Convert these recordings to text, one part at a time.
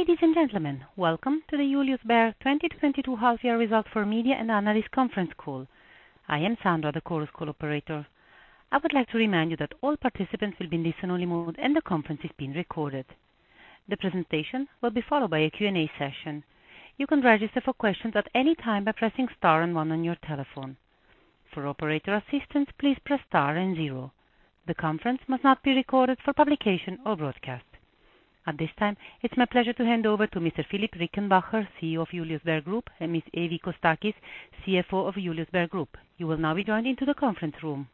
Ladies and gentlemen, welcome to the Julius Baer 2022 half-year results for media and analysts conference call. I am Sandra, the Chorus Call operator. I would like to remind you that all participants will be in listen-only mode and the conference is being recorded. The presentation will be followed by a Q&A session. You can register for questions at any time by pressing star and one on your telephone. For operator assistance, please press star and zero. The conference must not be recorded for publication or broadcast. At this time, it's my pleasure to hand over to Mr. Philipp Rickenbacher, CEO of Julius Baer Group, and Ms. Evie Kostakis, CFO of Julius Baer Group. You will now be joined into the conference room.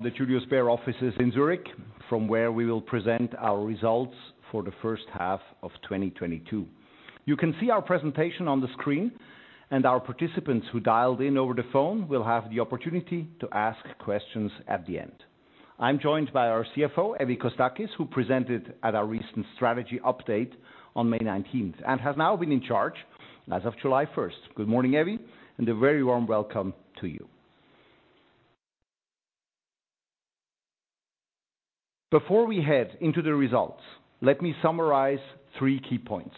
The Julius Baer offices in Zurich, from where we will present our results for the first half of 2022. You can see our presentation on the screen, and our participants who dialed in over the phone will have the opportunity to ask questions at the end. I'm joined by our CFO, Evie Kostakis, who presented at our recent strategy update on May 19th and has now been in charge as of July first. Good morning, Evie, and a very warm welcome to you. Before we head into the results, let me summarize three key points.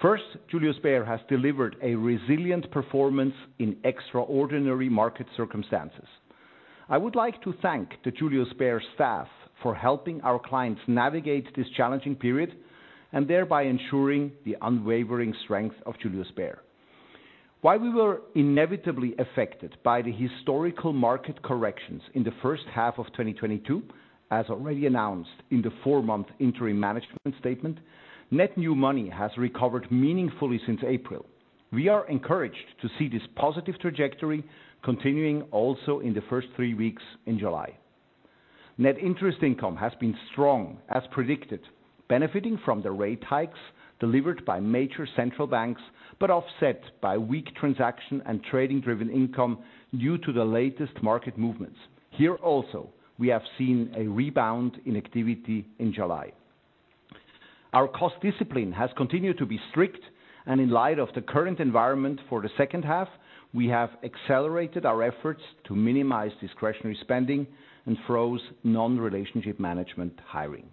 First, Julius Baer has delivered a resilient performance in extraordinary market circumstances. I would like to thank the Julius Baer staff for helping our clients navigate this challenging period and thereby ensuring the unwavering strength of Julius Baer. While we were inevitably affected by the historical market corrections in the first half of 2022, as already announced in the four-month interim management statement, net new money has recovered meaningfully since April. We are encouraged to see this positive trajectory continuing also in the first three weeks in July. Net interest income has been strong as predicted, benefiting from the rate hikes delivered by major central banks, but offset by weak transaction and trading driven income due to the latest market movements. Here also, we have seen a rebound in activity in July. Our cost discipline has continued to be strict and in light of the current environment for the second half, we have accelerated our efforts to minimize discretionary spending and froze non-relationship management hiring.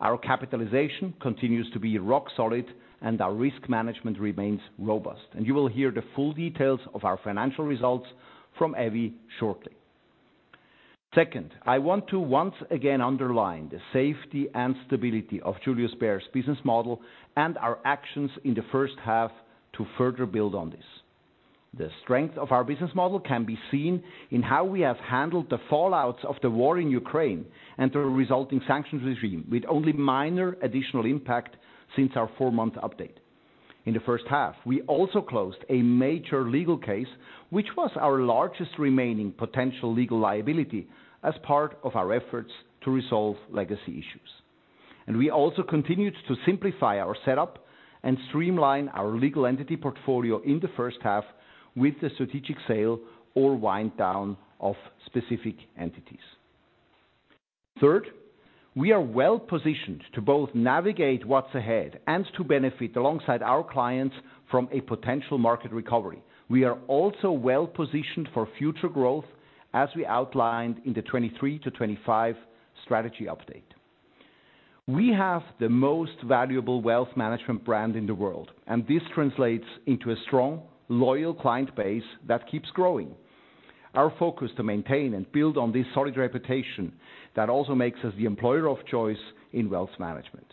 Our capitalization continues to be rock solid and our risk management remains robust. You will hear the full details of our financial results from Evie shortly. Second, I want to once again underline the safety and stability of Julius Baer's business model and our actions in the first half to further build on this. The strength of our business model can be seen in how we have handled the fallouts of the war in Ukraine and the resulting sanctions regime with only minor additional impact since our four-month update. In the first half, we also closed a major legal case, which was our largest remaining potential legal liability as part of our efforts to resolve legacy issues. We also continued to simplify our setup and streamline our legal entity portfolio in the first half with the strategic sale or wind down of specific entities. Third, we are well-positioned to both navigate what's ahead and to benefit alongside our clients from a potential market recovery. We are also well-positioned for future growth, as we outlined in the 2023-2025 strategy update. We have the most valuable wealth management brand in the world, and this translates into a strong, loyal client base that keeps growing. Our focus to maintain and build on this solid reputation that also makes us the employer of choice in wealth management.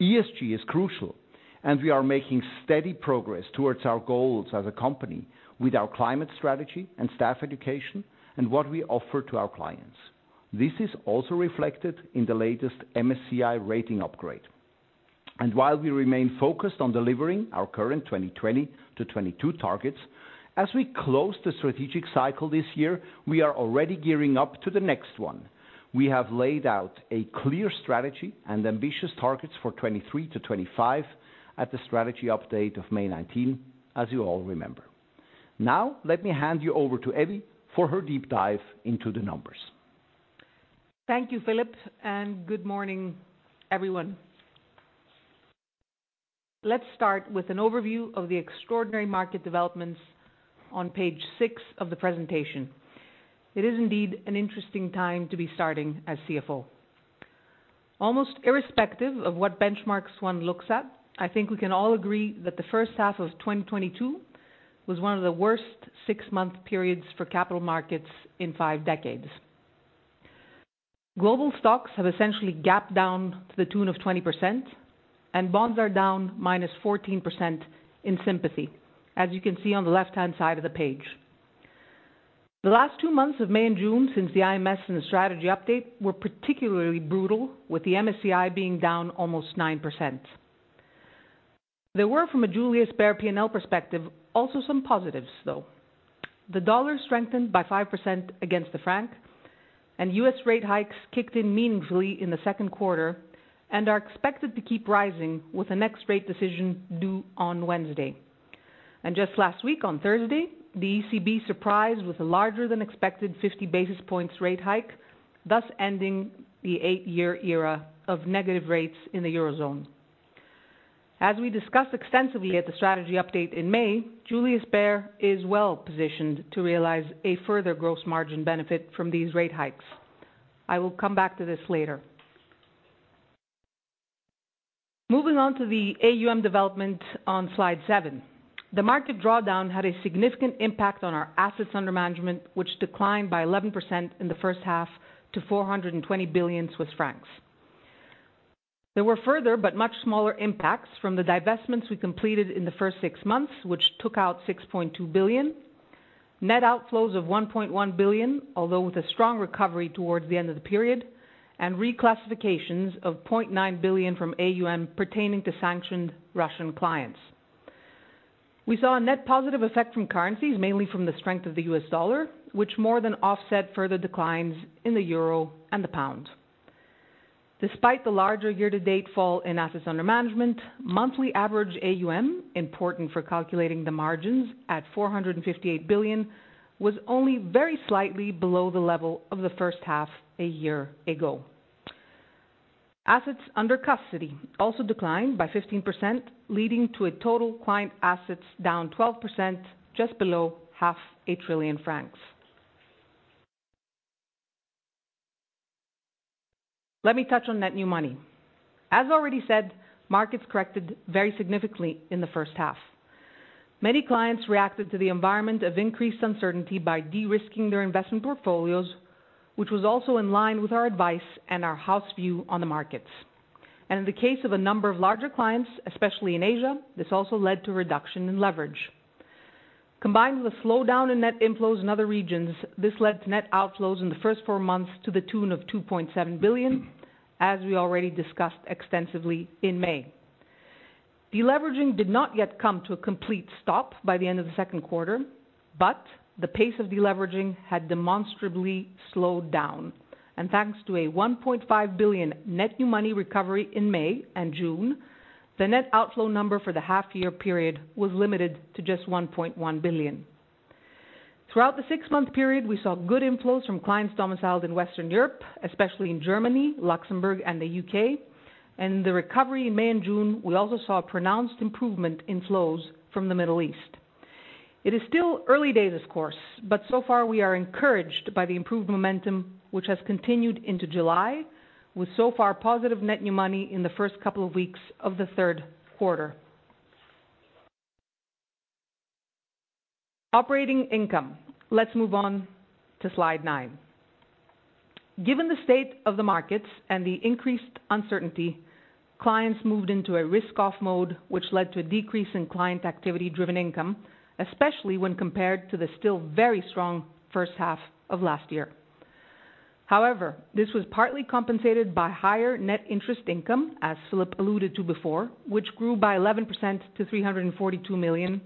ESG is crucial, and we are making steady progress toward our goals as a company with our climate strategy and staff education and what we offer to our clients. This is also reflected in the latest MSCI rating upgrade. While we remain focused on delivering our current 2020-2022 targets, as we close the strategic cycle this year, we are already gearing up to the next one. We have laid out a clear strategy and ambitious targets for 2023-2025 at the strategy update of May 19, as you all remember. Now, let me hand you over to Evie for her deep dive into the numbers. Thank you, Philipp, and good morning, everyone. Let's start with an overview of the extraordinary market developments on page six of the presentation. It is indeed an interesting time to be starting as CFO. Almost irrespective of what benchmarks one looks at, I think we can all agree that the first half of 2022 was one of the worst six-month periods for capital markets in five decades. Global stocks have essentially gapped down to the tune of 20% and bonds are down -14% in sympathy, as you can see on the left-hand side of the page. The last two months of May and June since the IMS and strategy update were particularly brutal, with the MSCI being down almost 9%. There were, from a Julius Baer P&L perspective, also some positives, though. The dollar strengthened by 5% against the franc, and U.S. rate hikes kicked in meaningfully in the second quarter and are expected to keep rising with the next rate decision due on Wednesday. Just last week on Thursday, the ECB surprised with a larger than expected 50 basis points rate hike, thus ending the eight-year era of negative rates in the Eurozone. As we discussed extensively at the strategy update in May, Julius Baer is well-positioned to realize a further gross margin benefit from these rate hikes. I will come back to this later. Moving on to the AUM development on slide seven. The market drawdown had a significant impact on our assets under management, which declined by 11% in the first half to 420 billion Swiss francs. There were further but much smaller impacts from the divestments we completed in the first six months, which took out 6.2 billion. Net outflows of 1.1 billion, although with a strong recovery towards the end of the period, and reclassifications of 0.9 billion from AUM pertaining to sanctioned Russian clients. We saw a net positive effect from currencies, mainly from the strength of the U.S. dollar, which more than offset further declines in the euro and the pound. Despite the larger year-to-date fall in assets under management, monthly average AUM, important for calculating the margins at 458 billion, was only very slightly below the level of the first half a year ago. Assets under custody also declined by 15%, leading to a total client assets down 12% just below CHF 500,000,000,000. Let me touch on net new money. As already said, markets corrected very significantly in the first half. Many clients reacted to the environment of increased uncertainty by de-risking their investment portfolios, which was also in line with our advice and our house view on the markets. In the case of a number of larger clients, especially in Asia, this also led to reduction in leverage. Combined with a slowdown in net inflows in other regions, this led to net outflows in the first four months to the tune of 2.7 billion, as we already discussed extensively in May. Deleveraging did not yet come to a complete stop by the end of the second quarter, but the pace of deleveraging had demonstrably slowed down. Thanks to a 1.5 billion net new money recovery in May and June, the net outflow number for the half year period was limited to just 1.1 billion. Throughout the six-month period, we saw good inflows from clients domiciled in Western Europe, especially in Germany, Luxembourg, and the UK. In the recovery in May and June, we also saw a pronounced improvement in flows from the Middle East. It is still early days, of course, but so far we are encouraged by the improved momentum which has continued into July with so far positive net new money in the first couple of weeks of the third quarter. Operating income. Let's move on to slide nine. Given the state of the markets and the increased uncertainty, clients moved into a risk-off mode, which led to a decrease in client activity-driven income, especially when compared to the still very strong first half of last year. However, this was partly compensated by higher net interest income, as Philipp alluded to before, which grew by 11% to 342 million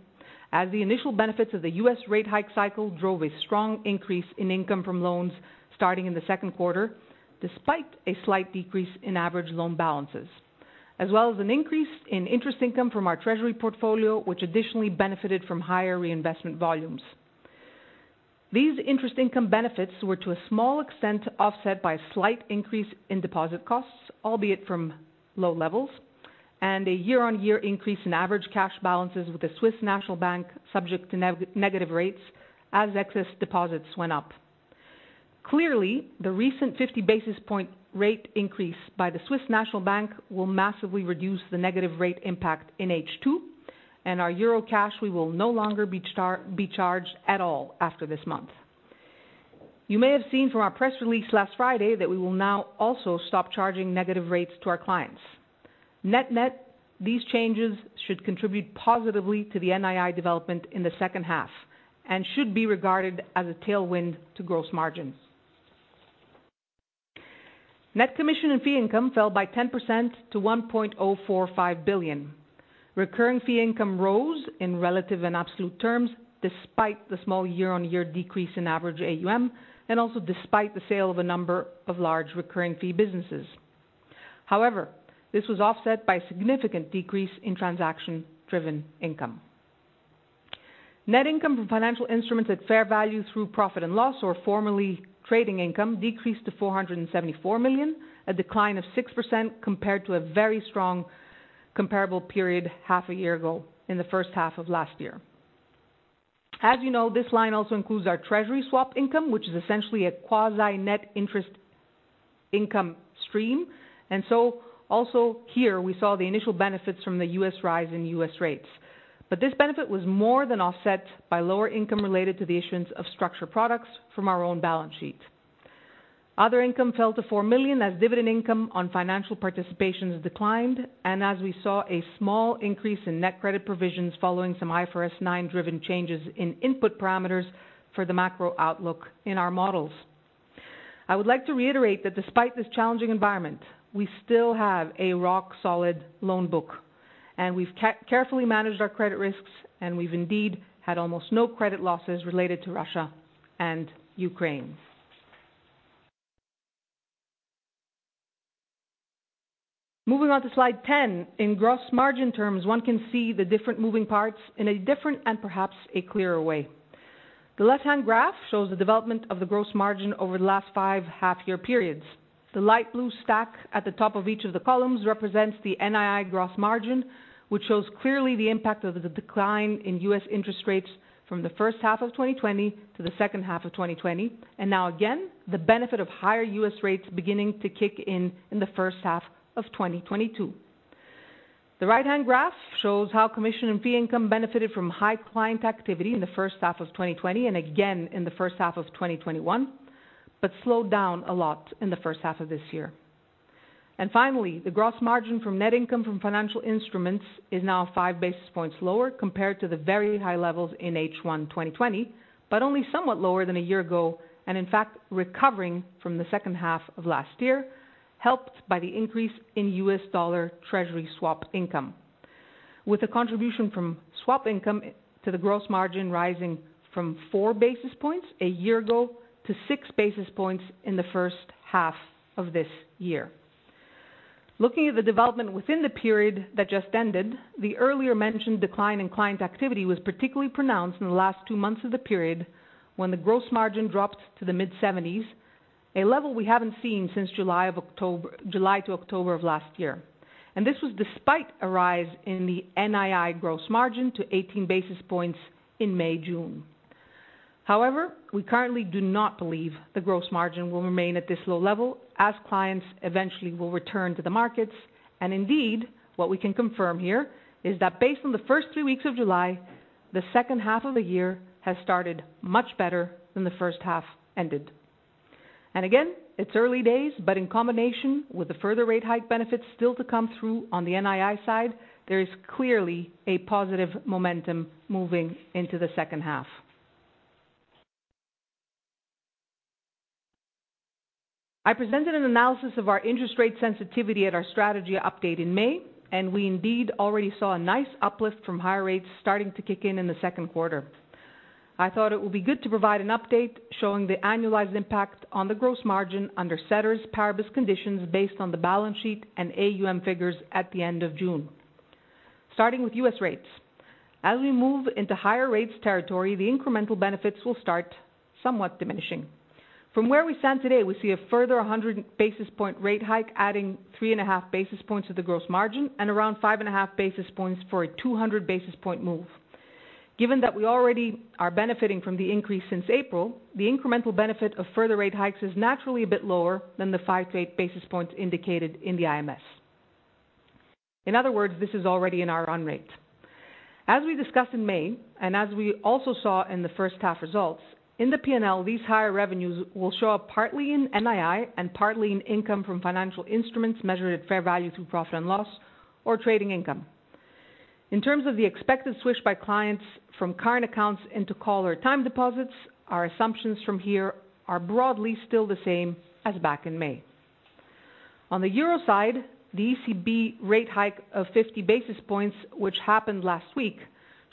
as the initial benefits of the U.S. rate hike cycle drove a strong increase in income from loans starting in the second quarter, despite a slight decrease in average loan balances, as well as an increase in interest income from our treasury portfolio, which additionally benefited from higher reinvestment volumes. These interest income benefits were to a small extent offset by a slight increase in deposit costs, albeit from low levels, and a year-on-year increase in average cash balances with the Swiss National Bank subject to negative rates as excess deposits went up. Clearly, the recent 50 basis point rate increase by the Swiss National Bank will massively reduce the negative rate impact in H2, and our euro cash will no longer be charged at all after this month. You may have seen from our press release last Friday that we will now also stop charging negative rates to our clients. Net-net, these changes should contribute positively to the NII development in the second half and should be regarded as a tailwind to gross margins. Net commission and fee income fell by 10% to 1.045 billion. Recurring fee income rose in relative and absolute terms despite the small year-on-year decrease in average AUM, and also despite the sale of a number of large recurring fee businesses. However, this was offset by a significant decrease in transaction-driven income. Net income from financial instruments at fair value through profit and loss or formerly trading income decreased to 474 million, a decline of 6% compared to a very strong comparable period half a year ago in the first half of last year. As you know, this line also includes our treasury swap income, which is essentially a quasi-net interest income stream. also here we saw the initial benefits from the U.S. rise in U.S. rates. This benefit was more than offset by lower income related to the issuance of structured products from our own balance sheet. Other income fell to 4 million as dividend income on financial participations declined, and as we saw a small increase in net credit provisions following some IFRS 9 driven changes in input parameters for the macro outlook in our models. I would like to reiterate that despite this challenging environment, we still have a rock solid loan book, and we've carefully managed our credit risks, and we've indeed had almost no credit losses related to Russia and Ukraine. Moving on to slide 10. In gross margin terms, one can see the different moving parts in a different and perhaps a clearer way. The left-hand graph shows the development of the gross margin over the last five half-year periods. The light blue stack at the top of each of the columns represents the NII gross margin, which shows clearly the impact of the decline in U.S. interest rates from the first half of 2020 to the second half of 2020, and now again, the benefit of higher U.S. rates beginning to kick in the first half of 2022. The right-hand graph shows how commission and fee income benefited from high client activity in the first half of 2020 and again in the first half of 2021, but slowed down a lot in the first half of this year. Finally, the gross margin from net income from financial instruments is now 5 basis points lower compared to the very high levels in H1 2020, but only somewhat lower than a year ago, and in fact recovering from the second half of last year, helped by the increase in U.S. dollar treasury swap income. With a contribution from swap income to the gross margin rising from 4 basis points a year ago to 6 basis points in the first half of this year. Looking at the development within the period that just ended, the earlier mentioned decline in client activity was particularly pronounced in the last two months of the period when the gross margin dropped to the mid-70s, a level we haven't seen since July to October of last year. This was despite a rise in the NII gross margin to 18 basis points in May, June. However, we currently do not believe the gross margin will remain at this low level as clients eventually will return to the markets. Indeed, what we can confirm here is that based on the first three weeks of July, the second half of the year has started much better than the first half ended. Again, it's early days, but in combination with the further rate hike benefits still to come through on the NII side, there is clearly a positive momentum moving into the second half. I presented an analysis of our interest rate sensitivity at our strategy update in May, and we indeed already saw a nice uplift from higher rates starting to kick in in the second quarter. I thought it would be good to provide an update showing the annualized impact on the gross margin under ceteris paribus conditions based on the balance sheet and AUM figures at the end of June. Starting with U.S. rates. As we move into higher rates territory, the incremental benefits will start somewhat diminishing. From where we stand today, we see a further 100 basis point rate hike, adding 3.5 basis points to the gross margin and around 5.5 basis points for a 200 basis point move. Given that we already are benefiting from the increase since April, the incremental benefit of further rate hikes is naturally a bit lower than the 5-8 basis points indicated in the IMS. In other words, this is already in our run rate. As we discussed in May, as we also saw in the first half results, in the P&L, these higher revenues will show up partly in NII and partly in income from financial instruments measured at fair value through profit and loss or trading income. In terms of the expected switch by clients from current accounts into call time deposits, our assumptions from here are broadly still the same as back in May. On the euro side, the ECB rate hike of 50 basis points, which happened last week,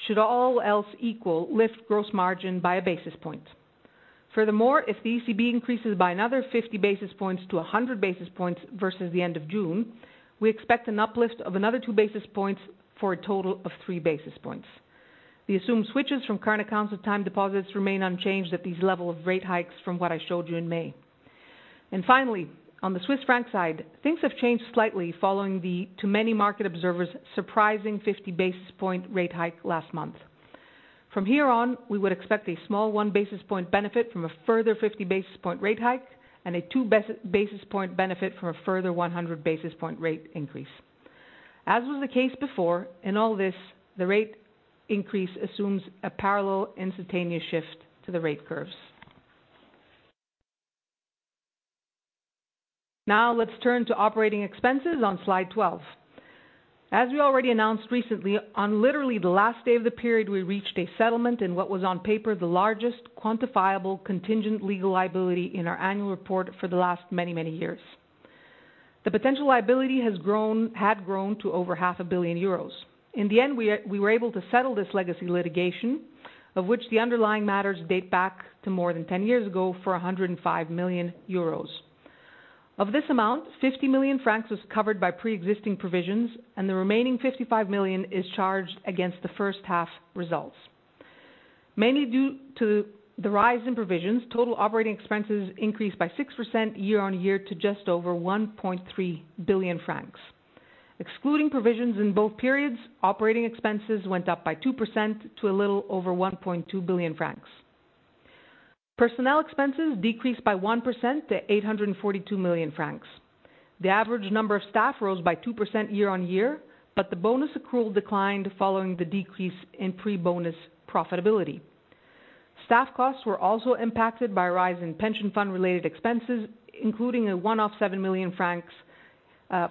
should all else equal lift gross margin by a basis point. Furthermore, if the ECB increases by another 50 basis points to 100 basis points versus the end of June, we expect an uplift of another 2 basis points for a total of 3 basis points. The assumed switches from current accounts with time deposits remain unchanged at these levels of rate hikes from what I showed you in May. Finally, on the Swiss franc side, things have changed slightly following the, too many market observers, surprising 50 basis point rate hike last month. From here on, we would expect a small 1 basis point benefit from a further 50 basis point rate hike and a 2 basis point benefit from a further 100 basis point rate increase. As was the case before, in all this, the rate increase assumes a parallel instantaneous shift to the rate curves. Now let's turn to operating expenses on slide 12. As we already announced recently, on literally the last day of the period, we reached a settlement in what was on paper the largest quantifiable contingent legal liability in our annual report for the last many, many years. The potential liability had grown to over 500,000,000 euros. In the end, we were able to settle this legacy litigation, of which the underlying matters date back to more than 10 years ago for 105 million euros. Of this amount, 50 million francs was covered by pre-existing provisions, and the remaining 55 million is charged against the first half results. Mainly due to the rise in provisions, total operating expenses increased by 6% year-on-year to just over 1.3 billion francs. Excluding provisions in both periods, operating expenses went up by 2% to a little over 1.2 billion francs. Personnel expenses decreased by 1% to 842 million francs. The average number of staff rose by 2% year-on-year, but the bonus accrual declined following the decrease in pre-bonus profitability. Staff costs were also impacted by a rise in pension fund related expenses, including a one-off 7 million francs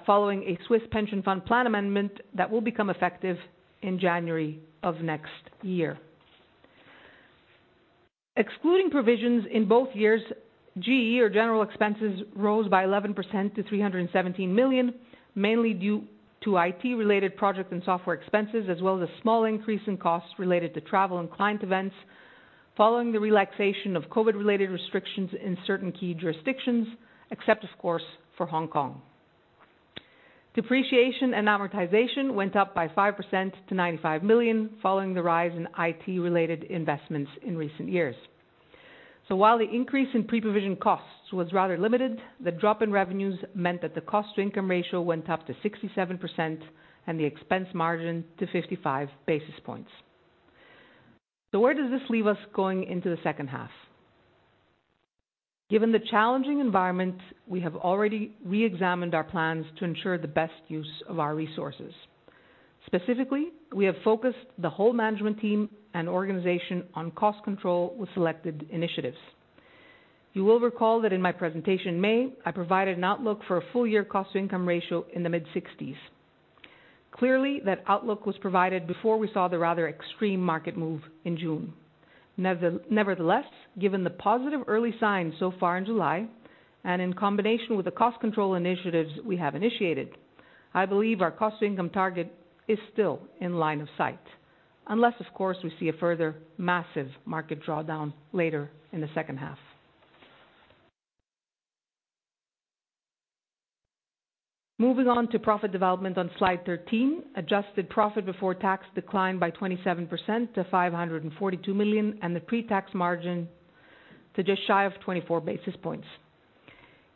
following a Swiss pension fund plan amendment that will become effective in January of next year. Excluding provisions in both years, GE or general expenses rose by 11% to 317 million, mainly due to IT-related project and software expenses, as well as a small increase in costs related to travel and client events following the relaxation of COVID-related restrictions in certain key jurisdictions, except of course for Hong Kong. Depreciation and amortization went up by 5% to 95 million following the rise in IT-related investments in recent years. While the increase in pre-provision costs was rather limited, the drop in revenues meant that the cost to income ratio went up to 67% and the expense margin to 55 basis points. Where does this leave us going into the second half? Given the challenging environment, we have already re-examined our plans to ensure the best use of our resources. Specifically, we have focused the whole management team and organization on cost control with selected initiatives. You will recall that in my presentation in May, I provided an outlook for a full year cost to income ratio in the mid-60s. Clearly, that outlook was provided before we saw the rather extreme market move in June. Nevertheless, given the positive early signs so far in July, and in combination with the cost control initiatives we have initiated, I believe our cost to income target is still in line of sight. Unless, of course, we see a further massive market drawdown later in the second half. Moving on to profit development on slide 13. Adjusted profit before tax declined by 27% to 542 million, and the pre-tax margin to just shy of 24 basis points.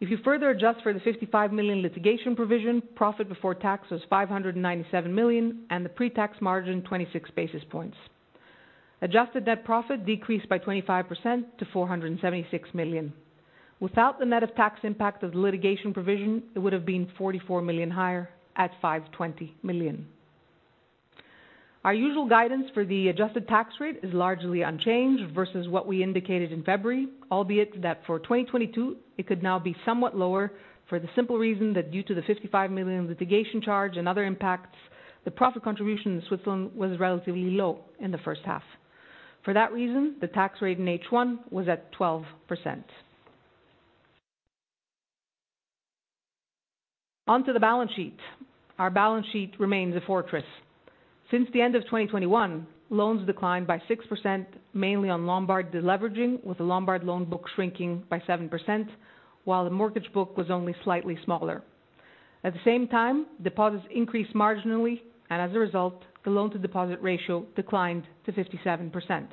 If you further adjust for the 55 million litigation provision, profit before tax was 597 million, and the pre-tax margin to 26 basis points. Adjusted net profit decreased by 25% to 476 million. Without the net of tax impact of the litigation provision, it would have been 44 million higher at 520 million. Our usual guidance for the adjusted tax rate is largely unchanged versus what we indicated in February, albeit that for 2022 it could now be somewhat lower for the simple reason that due to the 55 million litigation charge and other impacts, the profit contribution in Switzerland was relatively low in the first half. For that reason, the tax rate in H1 was at 12%. Onto the balance sheet. Our balance sheet remains a fortress. Since the end of 2021, loans declined by 6%, mainly on Lombard deleveraging, with the Lombard loan book shrinking by 7%, while the mortgage book was only slightly smaller. At the same time, deposits increased marginally, and as a result, the loan to deposit ratio declined to 57%.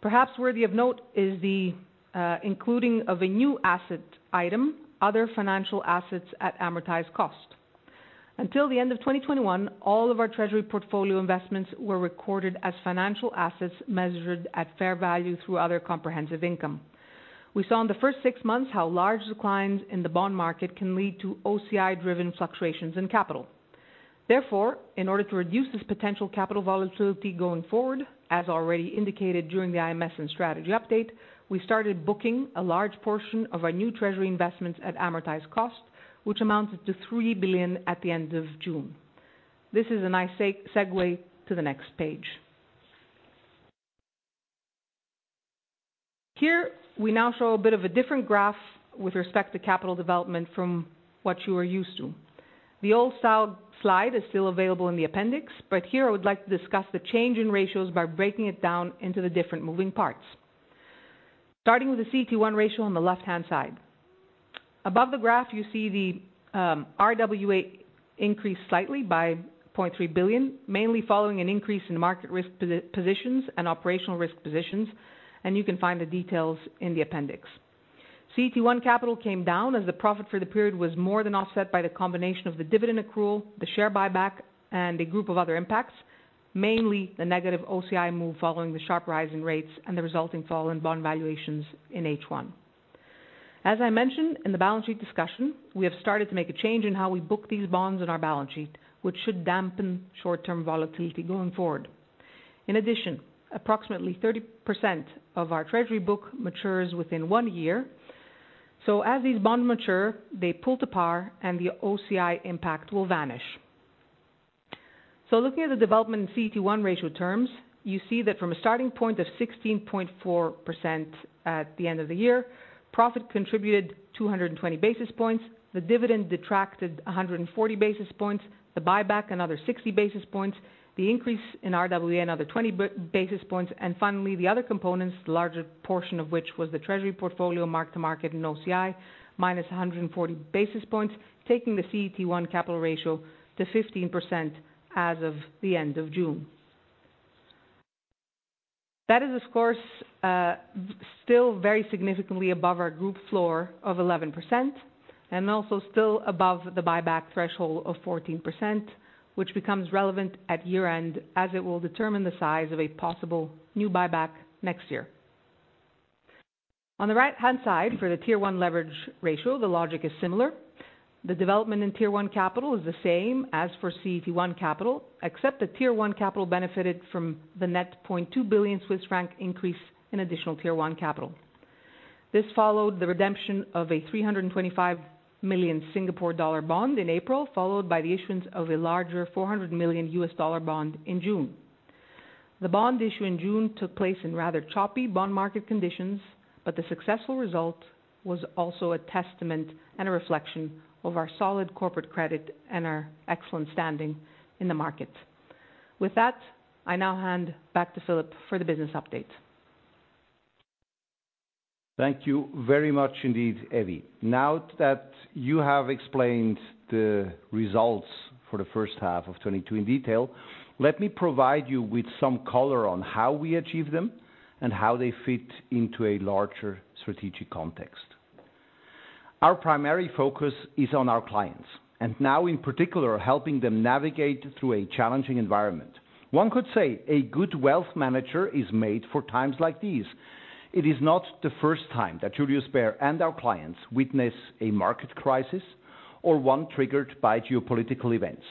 Perhaps worthy of note is the including of a new asset item, other financial assets at amortized cost. Until the end of 2021, all of our treasury portfolio investments were recorded as financial assets measured at fair value through other comprehensive income. We saw in the first six months how large declines in the bond market can lead to OCI-driven fluctuations in capital. Therefore, in order to reduce this potential capital volatility going forward, as already indicated during the IMS and strategy update, we started booking a large portion of our new treasury investments at amortized cost, which amounted to 3 billion at the end of June. This is a nice segue to the next page. Here we now show a bit of a different graph with respect to capital development from what you are used to. The old style slide is still available in the appendix, but here I would like to discuss the change in ratios by breaking it down into the different moving parts. Starting with the CET1 ratio on the left-hand side. Above the graph, you see the RWA increased slightly by 0.3 billion, mainly following an increase in market risk positions and operational risk positions, and you can find the details in the appendix. CET1 capital came down as the profit for the period was more than offset by the combination of the dividend accrual, the share buyback, and a group of other impacts, mainly the negative OCI move following the sharp rise in rates and the resulting fall in bond valuations in H1. As I mentioned in the balance sheet discussion, we have started to make a change in how we book these bonds on our balance sheet, which should dampen short-term volatility going forward. In addition, approximately 30% of our treasury book matures within one year. As these bonds mature, they pull to par and the OCI impact will vanish. Looking at the development in CET1 ratio terms, you see that from a starting point of 16.4% at the end of the year, profit contributed 220 basis points, the dividend detracted 140 basis points, the buyback another 60 basis points, the increase in RWA another 20 basis points, and finally, the other components, the larger portion of which was the treasury portfolio mark to market and OCI minus 140 basis points, taking the CET1 capital ratio to 15%. As of the end of June. That is of course still very significantly above our group floor of 11% and also still above the buyback threshold of 14%, which becomes relevant at year-end as it will determine the size of a possible new buyback next year. On the right-hand side, for the Tier 1 leverage ratio, the logic is similar. The development in Tier 1 capital is the same as for CET1 capital, except that Tier 1 capital benefited from the net 0.2 billion Swiss franc increase in Additional Tier 1 capital. This followed the redemption of a 325 million Singapore dollar bond in April, followed by the issuance of a larger $400 million bond in June. The bond issue in June took place in rather choppy bond market conditions, but the successful result was also a testament and a reflection of our solid corporate credit and our excellent standing in the market. With that, I now hand back to Philipp for the business update. Thank you very much indeed, Evie. Now that you have explained the results for the first half of 2022 in detail, let me provide you with some color on how we achieve them and how they fit into a larger strategic context. Our primary focus is on our clients and now in particular, helping them navigate through a challenging environment. One could say a good wealth manager is made for times like these. It is not the first time that Julius Baer and our clients witness a market crisis or one triggered by geopolitical events.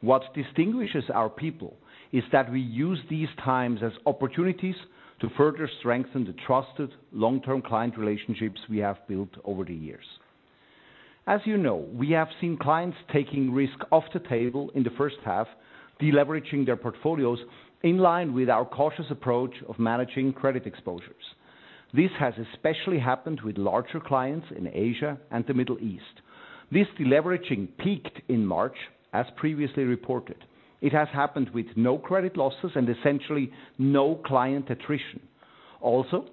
What distinguishes our people is that we use these times as opportunities to further strengthen the trusted long-term client relationships we have built over the years. As you know, we have seen clients taking risk off the table in the first half, deleveraging their portfolios in line with our cautious approach of managing credit exposures. This has especially happened with larger clients in Asia and the Middle East. This deleveraging peaked in March, as previously reported. It has happened with no credit losses and essentially no client attrition.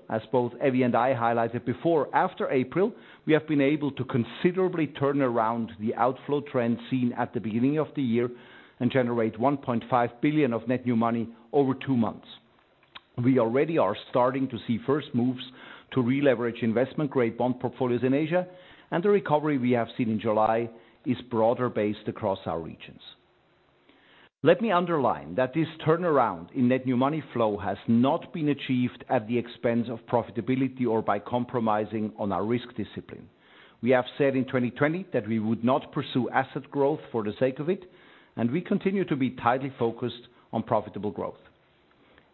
As both Evie and I highlighted before, after April, we have been able to considerably turn around the outflow trend seen at the beginning of the year and generate 1.5 billion of net new money over two months. We already are starting to see first moves to releverage investment-grade bond portfolios in Asia, and the recovery we have seen in July is broader-based across our regions. Let me underline that this turnaround in net new money flow has not been achieved at the expense of profitability or by compromising on our risk discipline. We have said in 2020 that we would not pursue asset growth for the sake of it, and we continue to be tightly focused on profitable growth.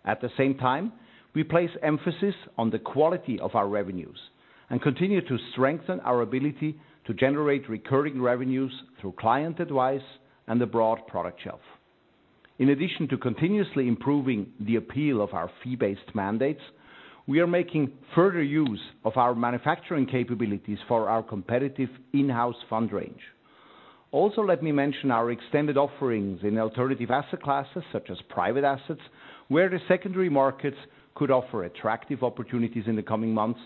At the same time, we place emphasis on the quality of our revenues and continue to strengthen our ability to generate recurring revenues through client advice and the broad product shelf. In addition to continuously improving the appeal of our fee-based mandates, we are making further use of our manufacturing capabilities for our competitive in-house fund range. Also, let me mention our extended offerings in alternative asset classes, such as private assets, where the secondary markets could offer attractive opportunities in the coming months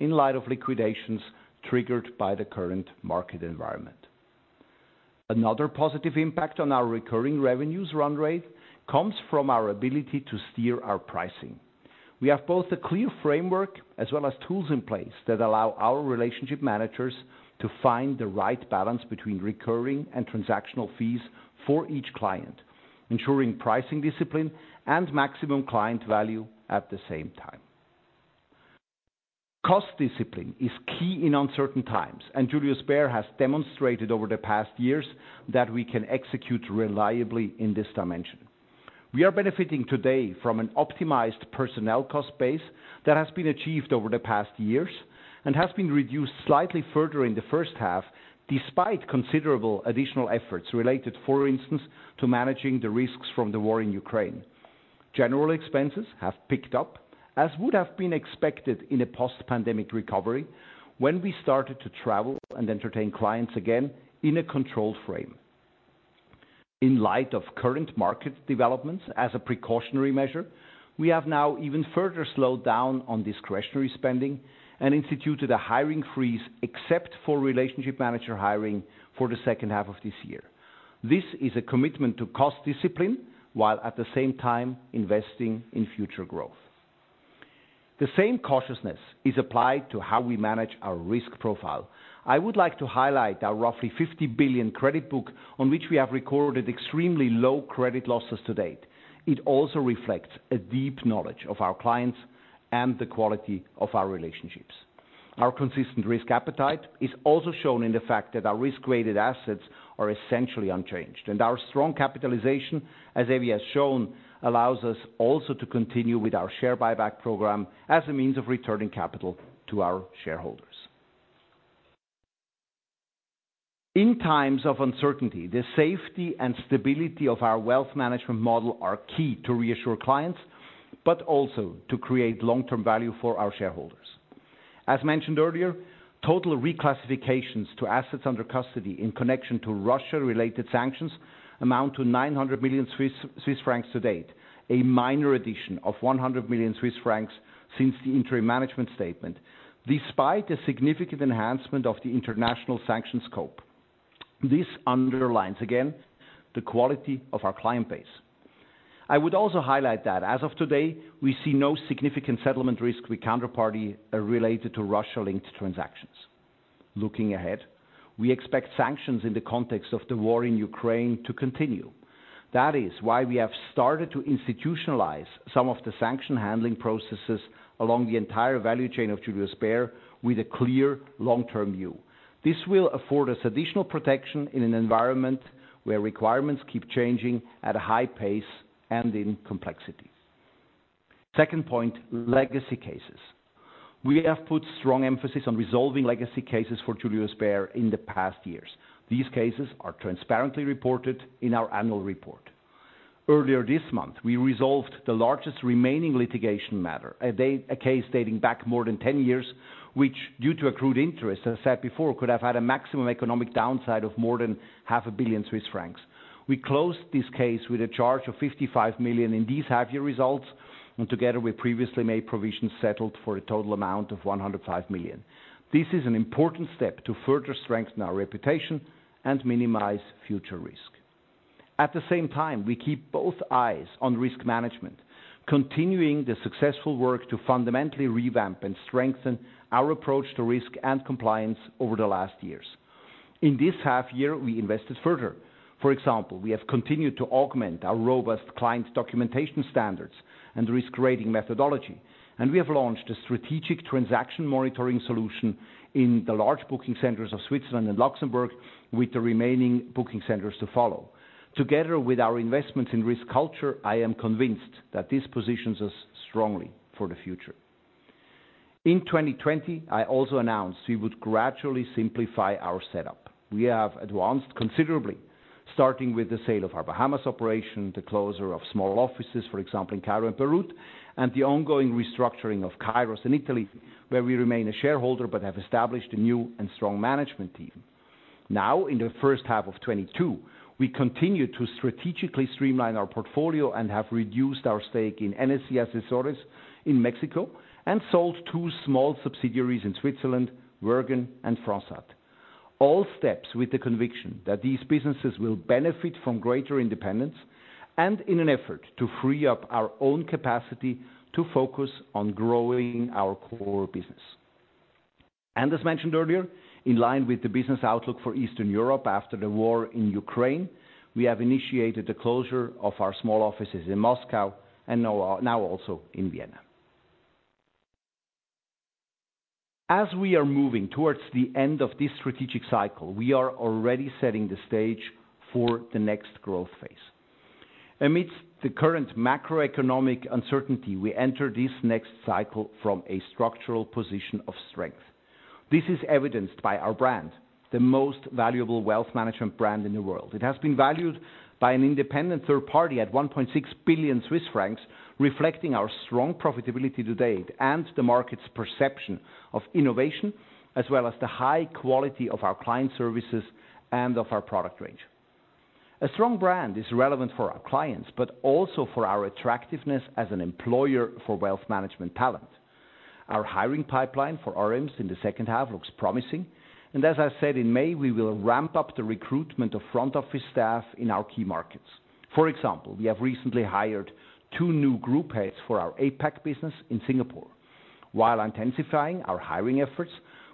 in light of liquidations triggered by the current market environment. Another positive impact on our recurring revenues run rate comes from our ability to steer our pricing. We have both a clear framework as well as tools in place that allow our relationship managers to find the right balance between recurring and transactional fees for each client, ensuring pricing discipline and maximum client value at the same time. Cost discipline is key in uncertain times, and Julius Baer has demonstrated over the past years that we can execute reliably in this dimension. We are benefiting today from an optimized personnel cost base that has been achieved over the past years and has been reduced slightly further in the first half, despite considerable additional efforts related, for instance, to managing the risks from the war in Ukraine. General expenses have picked up, as would have been expected in a post-pandemic recovery when we started to travel and entertain clients again in a controlled frame. In light of current market developments as a precautionary measure, we have now even further slowed down on discretionary spending and instituted a hiring freeze, except for relationship manager hiring for the second half of this year. This is a commitment to cost discipline, while at the same time investing in future growth. The same cautiousness is applied to how we manage our risk profile. I would like to highlight our roughly 50 billion credit book on which we have recorded extremely low credit losses to date. It also reflects a deep knowledge of our clients and the quality of our relationships. Our consistent risk appetite is also shown in the fact that our risk-weighted assets are essentially unchanged, and our strong capitalization, as Evie has shown, allows us also to continue with our share buyback program as a means of returning capital to our shareholders. In times of uncertainty, the safety and stability of our wealth management model are key to reassure clients, but also to create long-term value for our shareholders. As mentioned earlier, total reclassifications to assets under custody in connection to Russia-related sanctions amount to 900 million Swiss francs to date, a minor addition of 100 million Swiss francs since the interim management statement, despite a significant enhancement of the international sanctions scope. This underlines again the quality of our client base. I would also highlight that as of today, we see no significant settlement risk with counterparty related to Russia-linked transactions. Looking ahead, we expect sanctions in the context of the war in Ukraine to continue. That is why we have started to institutionalize some of the sanction handling processes along the entire value chain of Julius Baer with a clear long-term view. This will afford us additional protection in an environment where requirements keep changing at a high pace and in complexity. Second point, legacy cases. We have put strong emphasis on resolving legacy cases for Julius Baer in the past years. These cases are transparently reported in our annual report. Earlier this month, we resolved the largest remaining litigation matter, a case dating back more than 10 years, which due to accrued interest, as I said before, could have had a maximum economic downside of more than 500,000,000 Swiss francs. We closed this case with a charge of 55 million in these half-year results, and together with previously made provisions, settled for a total amount of 105 million. This is an important step to further strengthen our reputation and minimize future risk. At the same time, we keep both eyes on risk management, continuing the successful work to fundamentally revamp and strengthen our approach to risk and compliance over the last years. In this half year, we invested further. For example, we have continued to augment our robust client documentation standards and risk rating methodology, and we have launched a strategic transaction monitoring solution in the large booking centers of Switzerland and Luxembourg with the remaining booking centers to follow. Together with our investments in risk culture, I am convinced that this positions us strongly for the future. In 2020, I also announced we would gradually simplify our setup. We have advanced considerably, starting with the sale of our Bahamas operation, the closure of small offices, for example, in Cairo and Beirut, and the ongoing restructuring of Kairos in Italy, where we remain a shareholder but have established a new and strong management team. Now, in the first half of 2022, we continue to strategically streamline our portfolio and have reduced our stake in NSC Asesores in Mexico and sold two small subsidiaries in Switzerland, Wergen, and Fransad. All steps with the conviction that these businesses will benefit from greater independence and in an effort to free up our own capacity to focus on growing our core business. As mentioned earlier, in line with the business outlook for Eastern Europe after the war in Ukraine, we have initiated the closure of our small offices in Moscow and now also in Vienna. As we are moving towards the end of this strategic cycle, we are already setting the stage for the next growth phase. Amidst the current macroeconomic uncertainty, we enter this next cycle from a structural position of strength. This is evidenced by our brand, the most valuable wealth management brand in the world. It has been valued by an independent third party at 1.6 billion Swiss francs, reflecting our strong profitability to date and the market's perception of innovation, as well as the high quality of our client services and of our product range. A strong brand is relevant for our clients, but also for our attractiveness as an employer for wealth management talent. Our hiring pipeline for RM's in the second half looks promising, and as I said in May, we will ramp up the recruitment of front-office staff in our key markets. For example, we have recently hired two new group heads for our APAC business in Singapore. While intensifying our hiring efforts,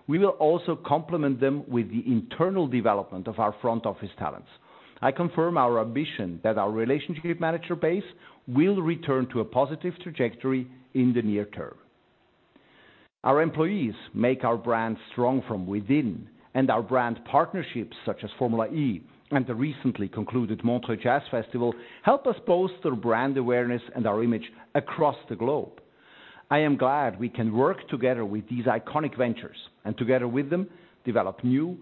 we will also complement them with the internal development of our front office talents. I confirm our ambition that our relationship manager base will return to a positive trajectory in the near term. Our employees make our brand strong from within, and our brand partnerships, such as Formula E and the recently concluded Montreux Jazz Festival, help us bolster brand awareness and our image across the globe. I am glad we can work together with these iconic ventures and together with them, develop new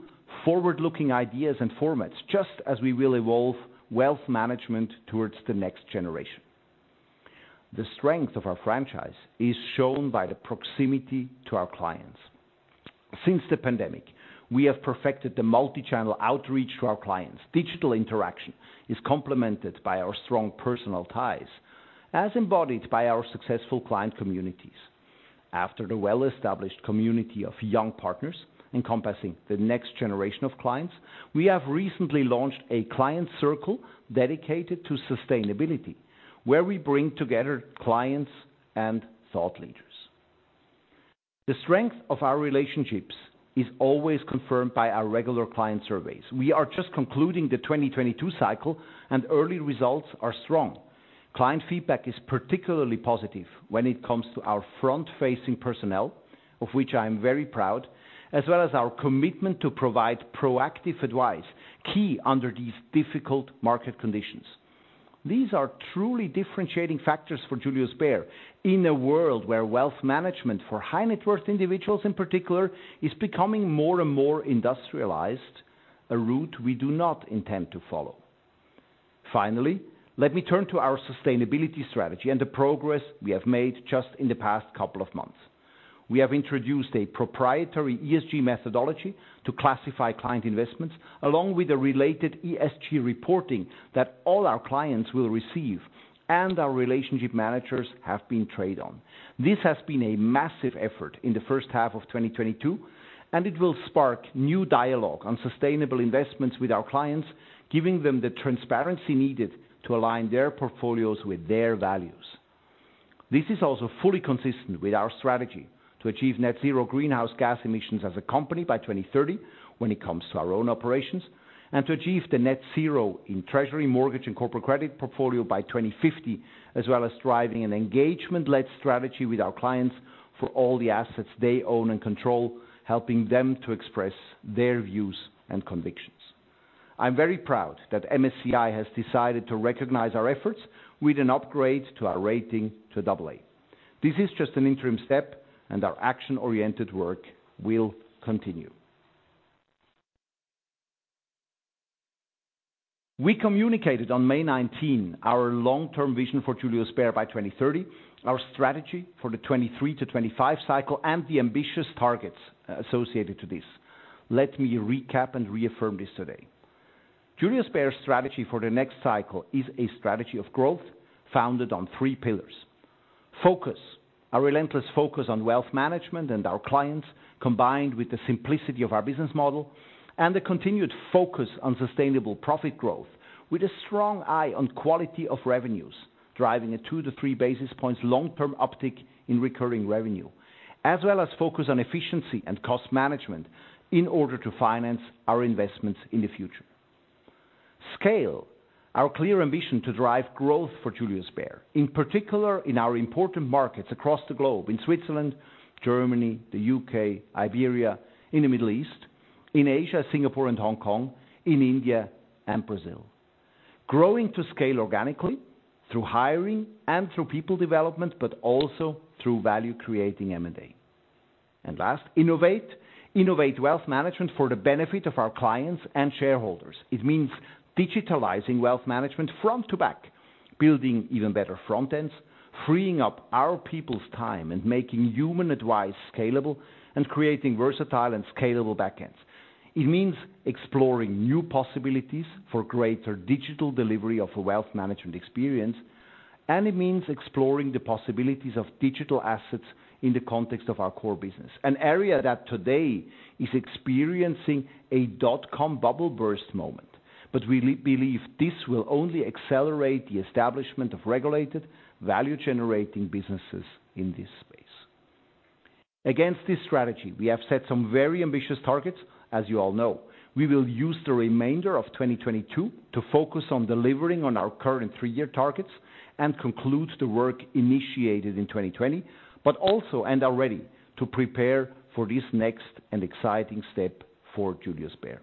forward-looking ideas and formats just as we will evolve wealth management towards the next generation. The strength of our franchise is shown by the proximity to our clients. Since the pandemic, we have perfected the multi-channel outreach to our clients. Digital interaction is complemented by our strong personal ties, as embodied by our successful client communities. After the well-established community of young partners encompassing the next generation of clients, we have recently launched a client circle dedicated to sustainability, where we bring together clients and thought leaders. The strength of our relationships is always confirmed by our regular client surveys. We are just concluding the 2022 cycle and early results are strong. Client feedback is particularly positive when it comes to our front-facing personnel, of which I am very proud, as well as our commitment to provide proactive advice, key under these difficult market conditions. These are truly differentiating factors for Julius Baer in a world where wealth management for high net worth individuals in particular, is becoming more and more industrialized, a route we do not intend to follow. Finally, let me turn to our sustainability strategy and the progress we have made just in the past couple of months. We have introduced a proprietary ESG methodology to classify client investments, along with the related ESG reporting that all our clients will receive and our relationship managers have been trained on. This has been a massive effort in the first half of 2022, and it will spark new dialogue on sustainable investments with our clients, giving them the transparency needed to align their portfolios with their values. This is also fully consistent with our strategy to achieve net zero greenhouse gas emissions as a company by 2030 when it comes to our own operations, and to achieve the net zero in treasury, mortgage, and corporate credit portfolio by 2050, as well as driving an engagement-led strategy with our clients for all the assets they own and control, helping them to express their views and convictions. I'm very proud that MSCI has decided to recognize our efforts with an upgrade to our rating to double A. This is just an interim step, and our action-oriented work will continue. We communicated on May 19 our long-term vision for Julius Baer by 2030, our strategy for the 2023-2025 cycle, and the ambitious targets associated to this. Let me recap and reaffirm this today. Julius Baer's strategy for the next cycle is a strategy of growth founded on three pillars. Focus. Our relentless focus on wealth management and our clients, combined with the simplicity of our business model and the continued focus on sustainable profit growth, with a strong eye on quality of revenues, driving a 2 basis points-3 basis points long-term uptick in recurring revenue. As well as focus on efficiency and cost management in order to finance our investments in the future. Scale. Our clear ambition to drive growth for Julius Baer, in particular in our important markets across the globe in Switzerland, Germany, the UK, Iberia, in the Middle East, in Asia, Singapore and Hong Kong, in India, and Brazil. Growing to scale organically through hiring and through people development, but also through value-creating M&A. Last, innovate. Innovate wealth management for the benefit of our clients and shareholders. It means digitalizing wealth management front to back, building even better front ends, freeing up our people's time and making human advice scalable, and creating versatile and scalable backends. It means exploring new possibilities for greater digital delivery of a wealth management experience, and it means exploring the possibilities of digital assets in the context of our core business, an area that today is experiencing a dot com bubble burst moment. We believe this will only accelerate the establishment of regulated, value-generating businesses in this space. Against this strategy, we have set some very ambitious targets, as you all know. We will use the remainder of 2022 to focus on delivering on our current three-year targets and conclude the work initiated in 2020, but also are ready to prepare for this next and exciting step for Julius Baer.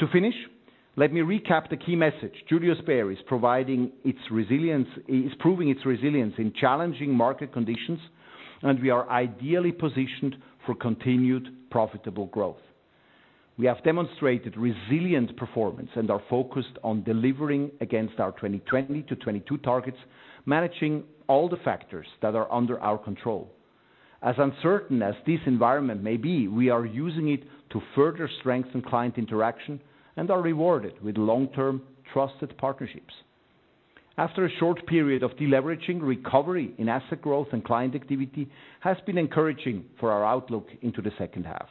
To finish, let me recap the key message. Julius Baer is proving its resilience in challenging market conditions, and we are ideally positioned for continued profitable growth. We have demonstrated resilient performance and are focused on delivering against our 2020-2022 targets, managing all the factors that are under our control. As uncertain as this environment may be, we are using it to further strengthen client interaction and are rewarded with long-term trusted partnerships. After a short period of deleveraging, recovery in asset growth and client activity has been encouraging for our outlook into the second half.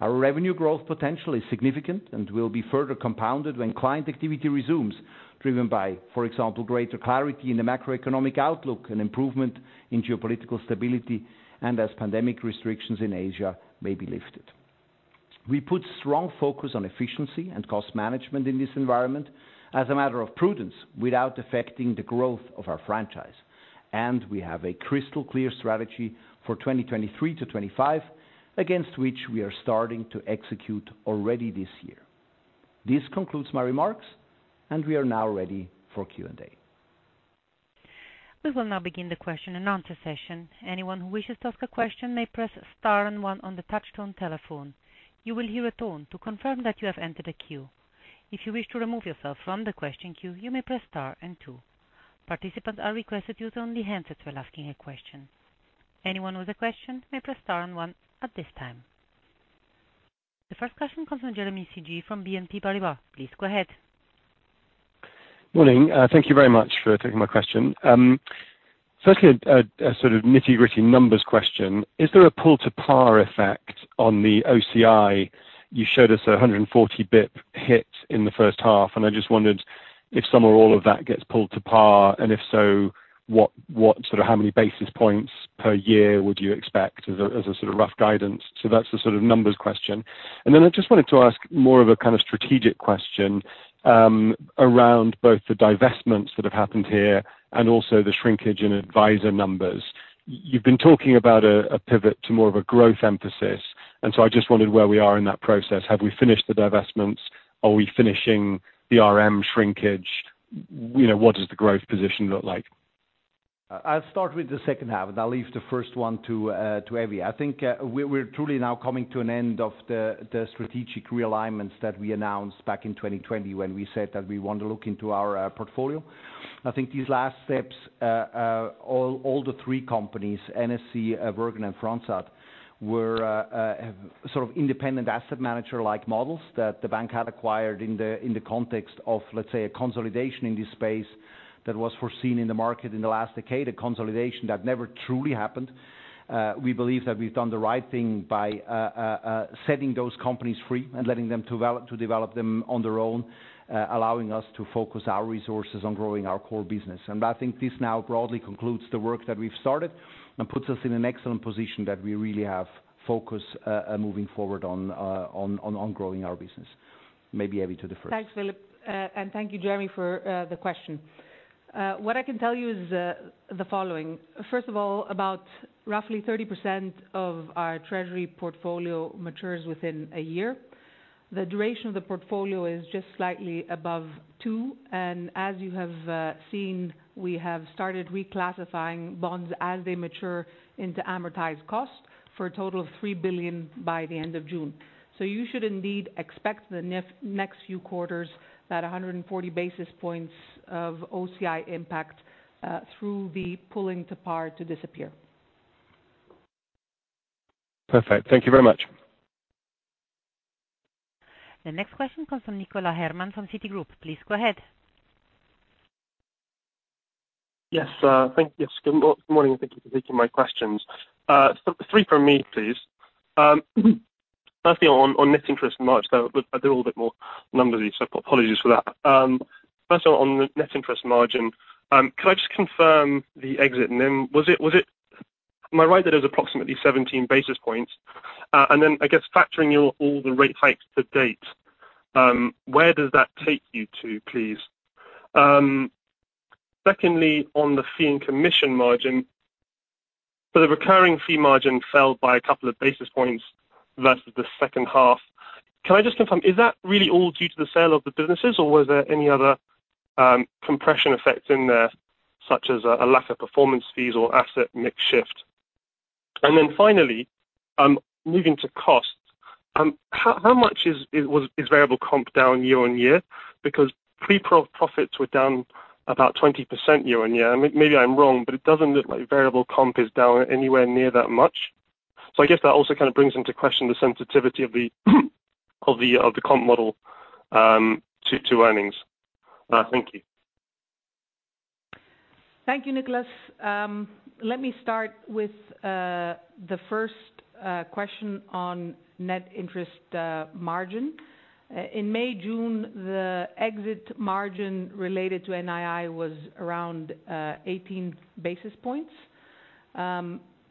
Our revenue growth potential is significant and will be further compounded when client activity resumes, driven by, for example, greater clarity in the macroeconomic outlook and improvement in geopolitical stability, and as pandemic restrictions in Asia may be lifted. We put strong focus on efficiency and cost management in this environment as a matter of prudence, without affecting the growth of our franchise. We have a crystal clear strategy for 2023-2025, against which we are starting to execute already this year. This concludes my remarks, and we are now ready for Q&A. We will now begin the question and answer session. Anyone who wishes to ask a question may press star and one on the touchtone telephone. You will hear a tone to confirm that you have entered a queue. If you wish to remove yourself from the question queue, you may press star and two. Participants are requested to use only handsets when asking a question. Anyone with a question may press star and one at this time. The first question comes from Jeremy Sigee from BNP Paribas. Please go ahead. Morning. Thank you very much for taking my question. First, a sort of nitty-gritty numbers question. Is there a pull to par effect on the OCI? You showed us a 140 basis points hit in the first half, and I just wondered if some or all of that gets pulled to par, and if so, what sort of how many basis points per year would you expect as a sort of rough guidance? That's the sort of numbers question. I just wanted to ask more of a kind of strategic question, around both the divestments that have happened here and also the shrinkage in advisor numbers. You've been talking about a pivot to more of a growth emphasis, and so I just wondered where we are in that process. Have we finished the divestments? Are we finishing the RM shrinkage? You know, what does the growth position look like? I'll start with the second half, and I'll leave the first one to Evie. I think we're truly now coming to an end of the strategic realignments that we announced back in 2020 when we said that we want to look into our portfolio. I think these last steps, all the three companies, NSC, Wergen, and Fransad, were sort of independent asset manager-like models that the bank had acquired in the context of, let's say, a consolidation in this space that was foreseen in the market in the last decade, a consolidation that never truly happened. We believe that we've done the right thing by setting those companies free and letting them develop on their own. Allowing us to focus our resources on growing our core business. I think this now broadly concludes the work that we've started and puts us in an excellent position that we really have focus moving forward on growing our business. Maybe Evie to the first. Thanks, Philipp. And thank you, Jeremy, for the question. What I can tell you is the following. First of all, about roughly 30% of our treasury portfolio matures within a year. The duration of the portfolio is just slightly above two, and as you have seen, we have started reclassifying bonds as they mature into amortized costs for a total of 3 billion by the end of June. You should indeed expect the next few quarters that 140 basis points of OCI impact through the pulling to par to disappear. Perfect. Thank you very much. The next question comes from Nicholas Herman from Citigroup. Please go ahead. Yes, thank you. Good morning. Thank you for taking my questions. So three from me, please. Firstly on net interest in March, though I go into a little bit more numbers so apologies for that. First on net interest margin, could I just confirm the exit NIM? Was it? Am I right that it was approximately 17 basis points? And then I guess factoring in all the rate hikes to date, where does that take you to, please? Secondly, on the fee and commission margin, so the recurring fee margin fell by a couple of basis points versus the second half. Can I just confirm, is that really all due to the sale of the businesses, or was there any other compression effect in there, such as a lack of performance fees or asset mix shift? Finally, moving to costs, how much is variable comp down year-on-year? Because pre-profits were down about 20% year-on-year. Maybe I'm wrong, but it doesn't look like variable comp is down anywhere near that much. I guess that also kinda brings into question the sensitivity of the comp model to earnings. Thank you. Thank you, Nicholas. Let me start with the first question on net interest margin. In May, June, the exit margin related to NII was around 18 basis points.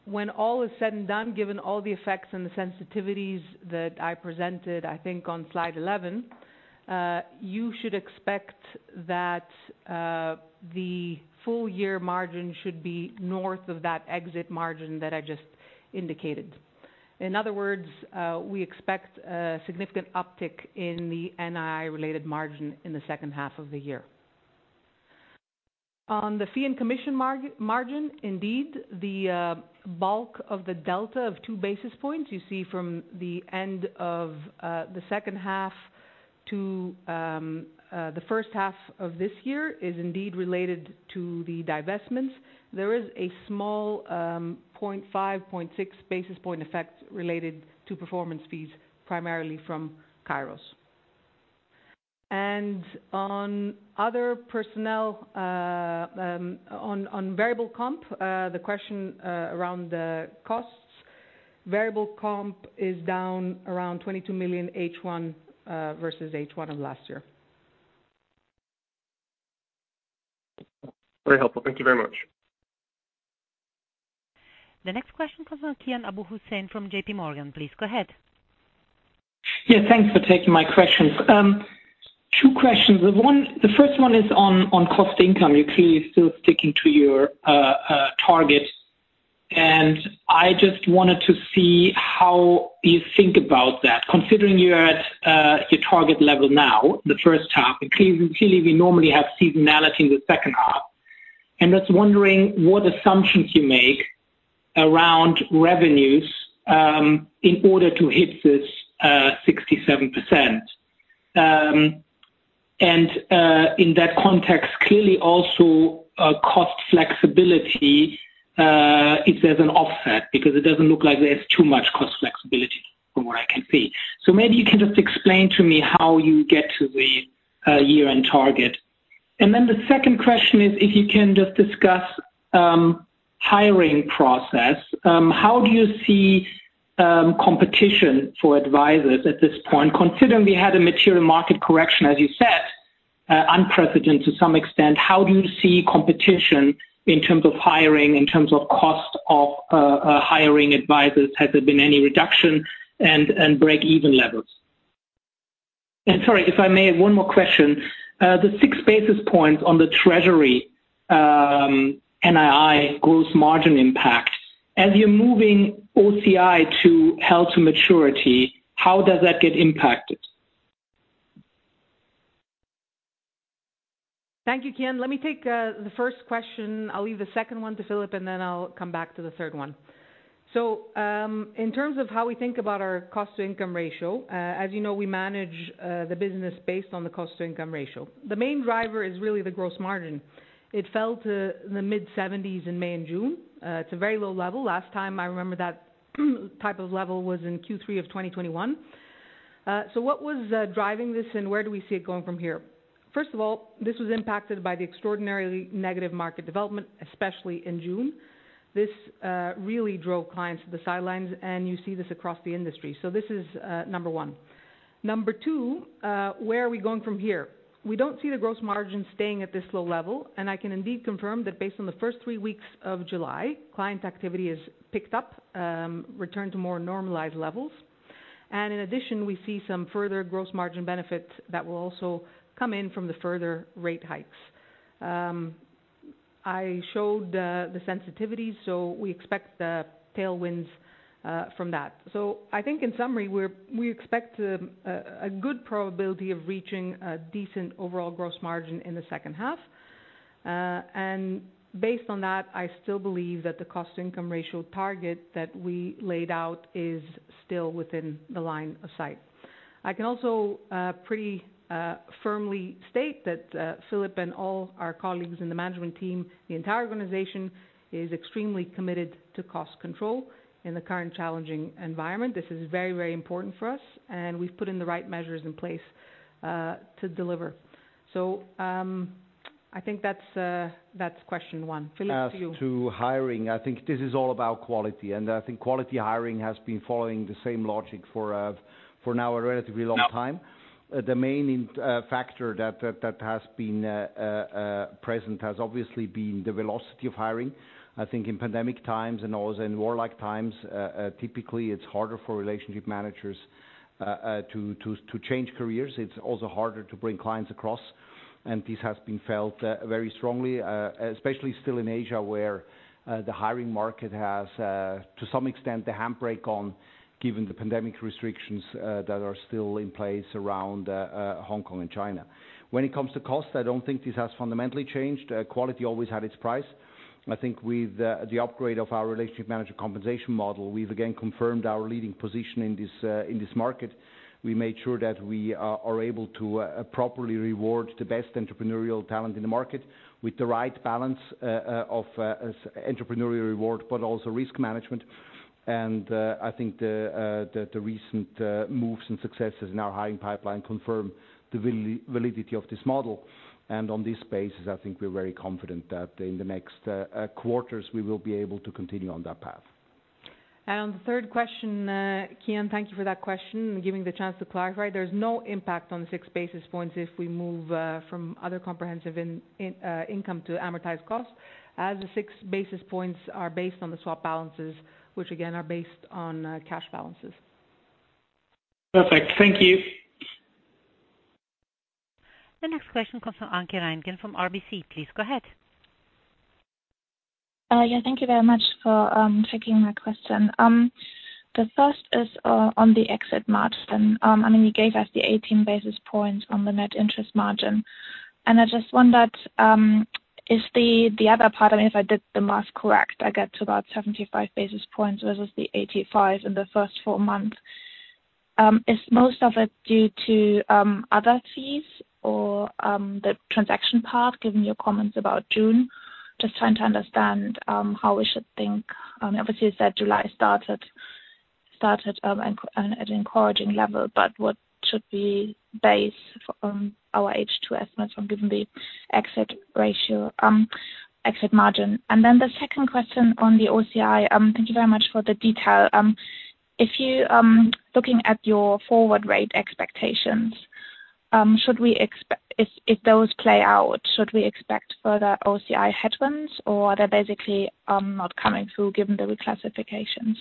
When all is said and done, given all the effects and the sensitivities that I presented, I think on slide 11, you should expect that the full year margin should be north of that exit margin that I just indicated. In other words, we expect a significant uptick in the NII-related margin in the second half of the year. On the fee and commission margin, indeed, the bulk of the delta of 2 basis points you see from the end of the second half to the first half of this year is indeed related to the divestments. There is a small, 0.5, 0.6 basis point effect related to performance fees, primarily from Kairos. On other personnel, on variable comp, the question around the costs, variable comp is down around 22 million H1 versus H1 of last year. Very helpful. Thank you very much. The next question comes from Kian Abouhossein from JPMorgan. Please go ahead. Yeah, thanks for taking my questions. Two questions. One, the first one is on cost income. You're clearly still sticking to your targets. I just wanted to see how you think about that, considering you're at your target level now, the first half. Clearly we normally have seasonality in the second half. Just wondering what assumptions you make around revenues in order to hit this 67%. In that context, clearly also cost flexibility if there's an offset, because it doesn't look like there's too much cost flexibility from what I can see. Maybe you can just explain to me how you get to the year-end target. Then the second question is if you can just discuss hiring process, how do you see competition for advisors at this point? Considering we had a material market correction, as you said, unprecedented to some extent, how do you see competition in terms of hiring, in terms of cost of hiring advisors? Has there been any reduction and break-even levels? Sorry, if I may have one more question. The 6 basis points on the treasury, NII gross margin impact, as you're moving OCI to held to maturity, how does that get impacted? Thank you, Kian. Let me take the first question. I'll leave the second one to Philipp, and then I'll come back to the third one. In terms of how we think about our cost-to-income ratio, as you know, we manage the business based on the cost-to-income ratio. The main driver is really the gross margin. It fell to the mid-seventies in May and June. It's a very low level. Last time I remember that type of level was in Q3 of 2021. What was driving this, and where do we see it going from here? First of all, this was impacted by the extraordinarily negative market development, especially in June. This really drove clients to the sidelines, and you see this across the industry. This is number one. Number two, where are we going from here? We don't see the gross margin staying at this low level, and I can indeed confirm that based on the first three weeks of July, client activity has picked up, returned to more normalized levels. In addition, we see some further gross margin benefits that will also come in from the further rate hikes. I showed the sensitivity, so we expect the tailwinds from that. I think in summary, we expect a good probability of reaching a decent overall gross margin in the second half. Based on that, I still believe that the cost income ratio target that we laid out is still within the line of sight. I can also pretty firmly state that Philipp and all our colleagues in the management team, the entire organization is extremely committed to cost control in the current challenging environment. This is very, very important for us, and we've put in the right measures in place to deliver. I think that's question one. Philipp, to you. As to hiring, I think this is all about quality, and I think quality hiring has been following the same logic for now a relatively long time. The main factor that has been present has obviously been the velocity of hiring. I think in pandemic times and also in warlike times, typically it's harder for relationship managers to change careers. It's also harder to bring clients across, and this has been felt very strongly, especially still in Asia, where the hiring market has to some extent the handbrake on given the pandemic restrictions that are still in place around Hong Kong and China. When it comes to cost, I don't think this has fundamentally changed. Quality always had its price. I think with the upgrade of our relationship manager compensation model, we've again confirmed our leading position in this market. We made sure that we are able to properly reward the best entrepreneurial talent in the market with the right balance of entrepreneurial reward, but also risk management. I think the recent moves and successes in our hiring pipeline confirm the validity of this model. On this basis, I think we're very confident that in the next quarters, we will be able to continue on that path. On the third question, Kian, thank you for that question, giving the chance to clarify. There's no impact on the six basis points if we move from other comprehensive income to amortized costs, as the 6 basis points are based on the swap balances, which again, are based on cash balances. Perfect. Thank you. The next question comes from Anke Reingen from RBC. Please go ahead. Yeah. Thank you very much for taking my question. The first is on the exit margin. I mean, you gave us the 18 basis points on the net interest margin, and I just wondered if the other part, I mean, if I did the math correct, I get to about 75 basis points versus the 85 in the first four months. Is most of it due to other fees or the transaction part, given your comments about June? Just trying to understand how we should think. Obviously you said July started an encouraging level, but what should we base from our H2 estimates from given the exit ratio, exit margin? Then the second question on the OCI, thank you very much for the detail. If you're looking at your forward rate expectations, if those play out, should we expect further OCI headwinds or they're basically not coming through given the reclassifications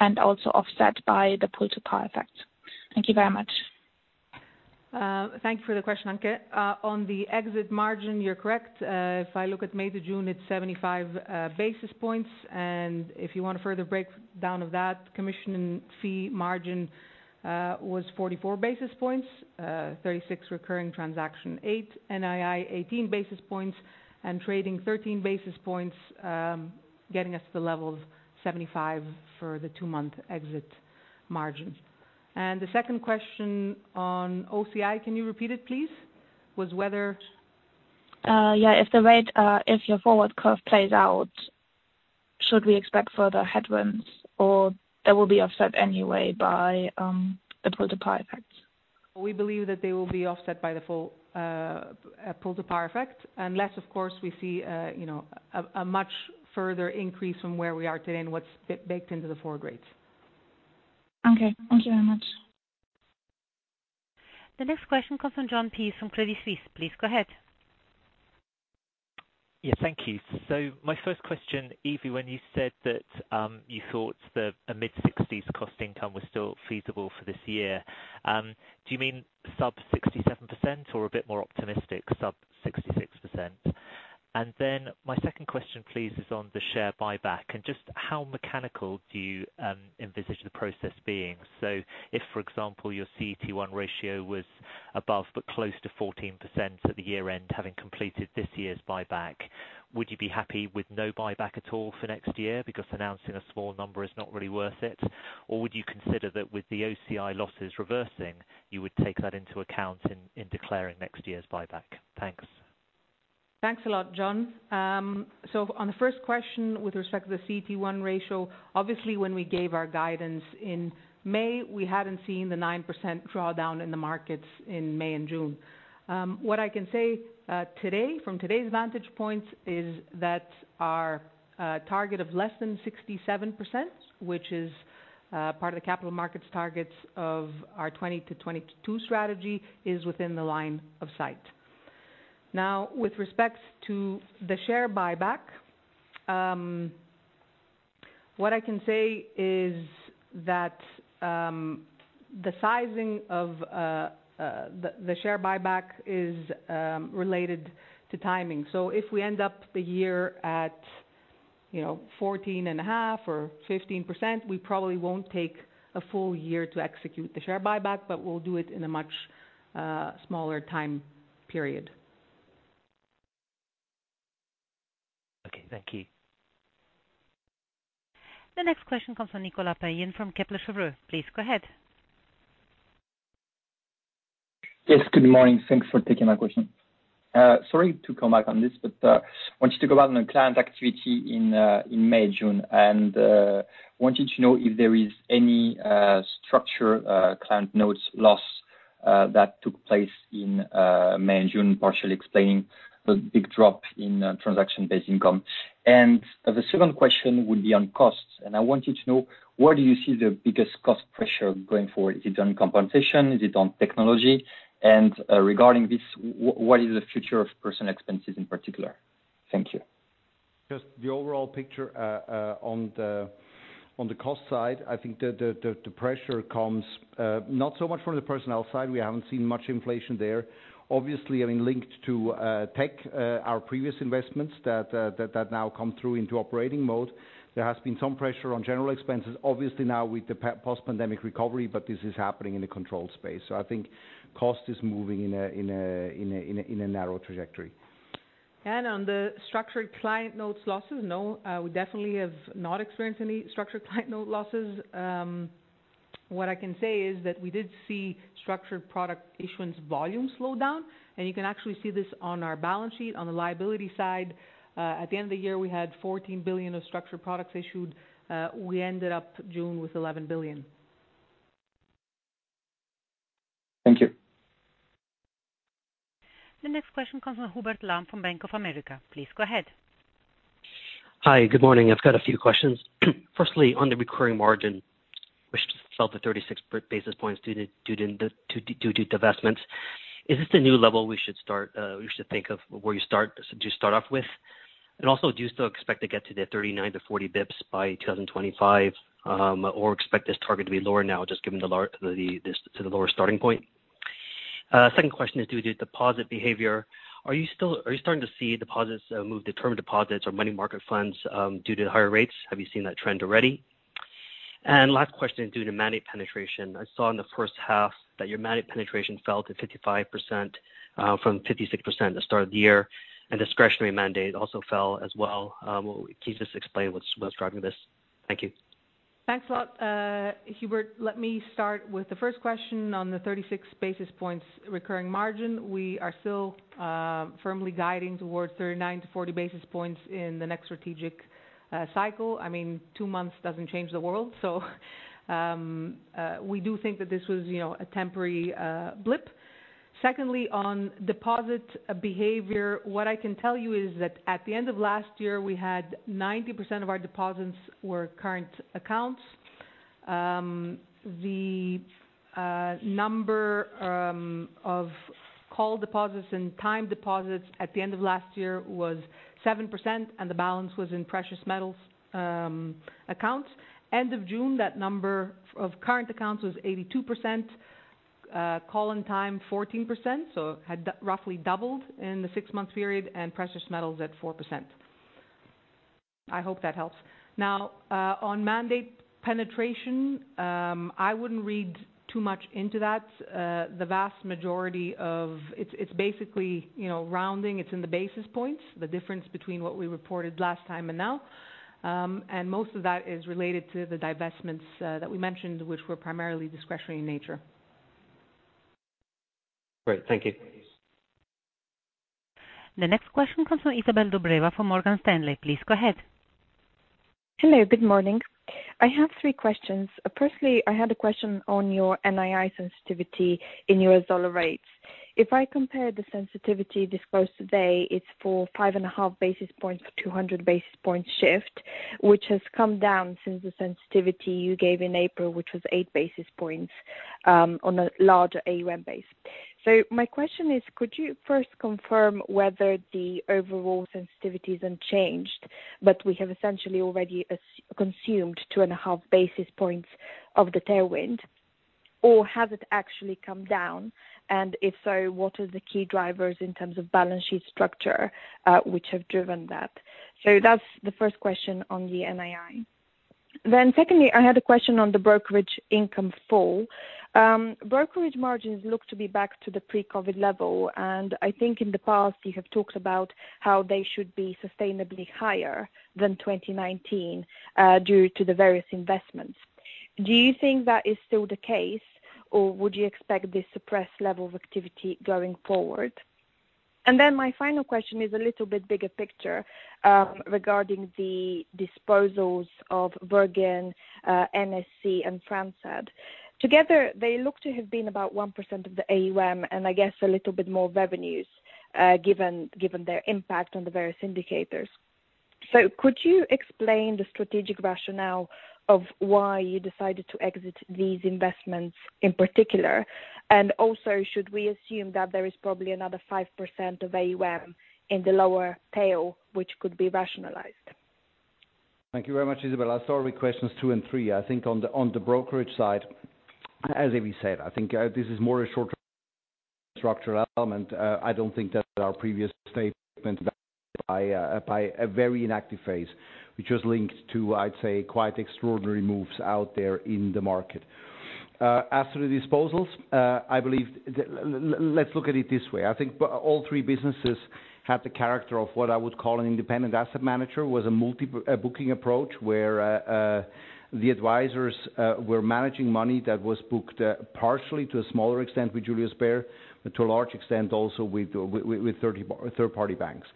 and also offset by the pull-to-par effect? Thank you very much. Thank you for the question, Anke. On the exit margin, you're correct. If I look at May to June, it's 75 basis points. If you want a further breakdown of that, commission fee margin was 44 basis points, 36 recurring transaction, eight NII 18 basis points, and trading 13 basis points, getting us to the level of 75 for the two-month exit margin. The second question on OCI, can you repeat it, please? Was whether? If your forward curve plays out, should we expect further headwinds or they will be offset anyway by the pull-to-par effect? We believe that they will be offset by the full pull-to-par effect. Unless, of course, we see you know, a much further increase from where we are today and what's baked into the forward rates. Okay. Thank you very much. The next question comes from Jon Peace from Credit Suisse. Please go ahead. Yeah. Thank you. My first question, Evie, when you said that, you thought the mid-60s cost income was still feasible for this year, do you mean sub 67% or a bit more optimistic, sub 66%? My second question, please, is on the share buyback. Just how mechanical do you envisage the process being? If, for example, your CET1 ratio was above but close to 14% at the year-end, having completed this year's buyback, would you be happy with no buyback at all for next year because announcing a small number is not really worth it? Or would you consider that with the OCI losses reversing, you would take that into account in declaring next year's buyback? Thanks. Thanks a lot, Jon. On the first question with respect to the CET1 ratio, obviously when we gave our guidance in May, we hadn't seen the 9% drawdown in the markets in May and June. What I can say today, from today's vantage point is that our target of less than 67%, which is part of the capital markets targets of our 2020-2022 strategy is within the line of sight. Now, with respect to the share buyback, what I can say is that the sizing of the share buyback is related to timing. If we end up the year at, you know, 14.5% or 15%, we probably won't take a full year to execute the share buyback, but we'll do it in a much smaller time period. Okay, thank you. The next question comes from Nicolas Payen from Kepler Cheuvreux. Please go ahead. Yes, good morning. Thanks for taking my question. Sorry to come back on this, but wanted to go back on the client activity in May, June, and wanted to know if there is any structured client notes loss that took place in May and June, partially explaining the big drop in transaction-based income. The second question would be on costs, and I want to know, where do you see the biggest cost pressure going forward? Is it on compensation? Is it on technology? Regarding this, what is the future of personnel expenses in particular? Thank you. Just the overall picture. On the cost side, I think the pressure comes not so much from the personnel side. We haven't seen much inflation there. Obviously, having linked to tech our previous investments that now come through into operating mode. There has been some pressure on general expenses, obviously now with the post-pandemic recovery, but this is happening in a controlled space. So I think cost is moving in a narrow trajectory. On the structured product losses, no, we definitely have not experienced any structured product losses. What I can say is that we did see structured product issuance volume slow down, and you can actually see this on our balance sheet on the liability side. At the end of the year, we had 14 billion of structured products issued. We ended up June with 11 billion. Thank you. The next question comes from Hubert Lam from Bank of America. Please go ahead. Hi, good morning. I've got a few questions. Firstly, on the recurring margin, which fell to 36 basis points due to divestments. Is this the new level we should think of to start off with? Also, do you still expect to get to the 39-40 basis points by 2025, or expect this target to be lower now, just given the lower starting point? Second question is on deposit behavior. Are you starting to see deposits move to term deposits or money market funds due to the higher rates? Have you seen that trend already? Last question, on mandate penetration. I saw in the first half that your mandate penetration fell to 55%, from 56% at the start of the year, and discretionary mandate also fell as well. Can you just explain what's driving this? Thank you. Thanks a lot, Hubert. Let me start with the first question on the 36 basis points recurring margin. We are still firmly guiding towards 39-40 basis points in the next strategic cycle. I mean, two months doesn't change the world, so we do think that this was, you know, a temporary blip. Secondly, on deposit behavior, what I can tell you is that at the end of last year, we had 90% of our deposits were current accounts. The number of call deposits and time deposits at the end of last year was 7%, and the balance was in precious metals accounts. End of June, that number of current accounts was 82%, call and time, 14%, so roughly doubled in the six-month period, and precious metals at 4%. I hope that helps. Now, on mandate penetration, I wouldn't read too much into that. The vast majority of it's basically, you know, rounding. It's in the basis points, the difference between what we reported last time and now, and most of that is related to the divestments that we mentioned, which were primarily discretionary in nature. Great. Thank you. The next question comes from Izabel Dobreva from Morgan Stanley. Please go ahead. Hello, good morning. I have three questions. Firstly, I had a question on your NII sensitivity in U.S. dollar rates. If I compare the sensitivity disclosed today, it's for 5.5 basis points for 200 basis points shift, which has come down since the sensitivity you gave in April, which was 8 basis points, on a larger AUM base. My question is, could you first confirm whether the overall sensitivity's unchanged, but we have essentially already consumed 2.5 basis points of the tailwind? Or has it actually come down? And if so, what are the key drivers in terms of balance sheet structure, which have driven that? That's the first question on the NII. Secondly, I had a question on the brokerage income fall. Brokerage margins look to be back to the pre-COVID level, and I think in the past you have talked about how they should be sustainably higher than 2019, due to the various investments. Do you think that is still the case, or would you expect this suppressed level of activity going forward? My final question is a little bit bigger picture, regarding the disposals of Wergen, NSC and Fransad. Together, they look to have been about 1% of the AUM, and I guess a little bit more revenues. Given their impact on the various indicators. Could you explain the strategic rationale of why you decided to exit these investments in particular? And also should we assume that there is probably another 5% of AUM in the lower tail, which could be rationalized? Thank you very much, Izabel. I'll start with questions two and three. I think on the brokerage side, as Evie said, I think this is more a short structural element. I don't think that our previous statement by a very inactive phase, which was linked to, I'd say, quite extraordinary moves out there in the market. As to the disposals, I believe let's look at it this way, I think all three businesses have the character of what I would call an independent asset manager, was a multi-booking approach, where the advisors were managing money that was booked partially to a smaller extent with Julius Baer, but to a large extent also with third party banks.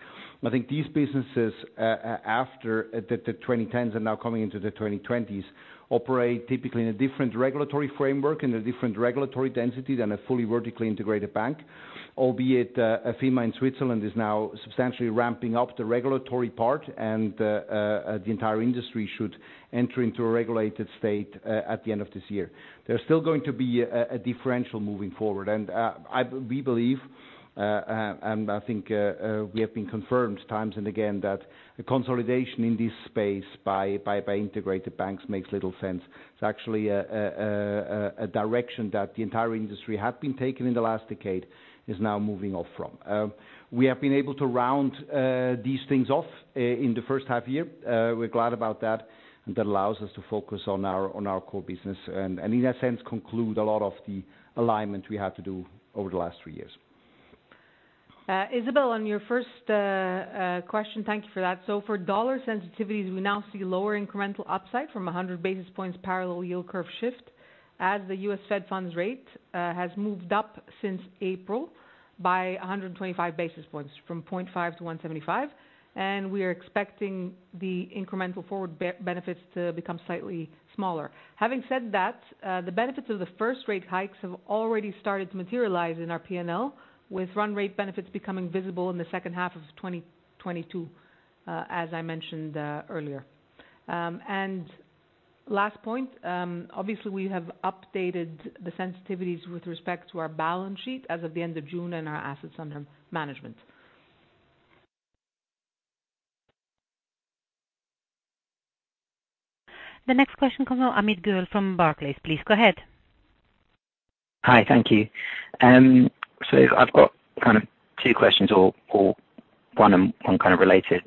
I think these businesses, after the 2010s and now coming into the 2020s, operate typically in a different regulatory framework and a different regulatory density than a fully vertically integrated bank, albeit FINMA in Switzerland is now substantially ramping up the regulatory part and the entire industry should enter into a regulated state at the end of this year. There's still going to be a differential moving forward. We believe and I think we have been confirmed time and again that the consolidation in this space by integrated banks makes little sense. It's actually a direction that the entire industry had been taking in the last decade is now moving off from. We have been able to round these things off in the first half year. We're glad about that, and that allows us to focus on our core business, and in a sense, conclude a lot of the alignment we had to do over the last three years. Izabel, on your first question, thank you for that. For dollar sensitivities, we now see lower incremental upside from 100 basis points parallel yield curve shift as the U.S. Fed funds rate has moved up since April by 125 basis points from 0.5-1.75. We are expecting the incremental forward benefits to become slightly smaller. Having said that, the benefits of the first rate hikes have already started to materialize in our P&L, with run rate benefits becoming visible in the second half of 2022, as I mentioned earlier. Last point, obviously we have updated the sensitivities with respect to our balance sheet as of the end of June and our assets under management. The next question comes from Amit Goel from Barclays. Please go ahead. Hi, thank you. So I've got kind of two questions or one of them, one kind of related.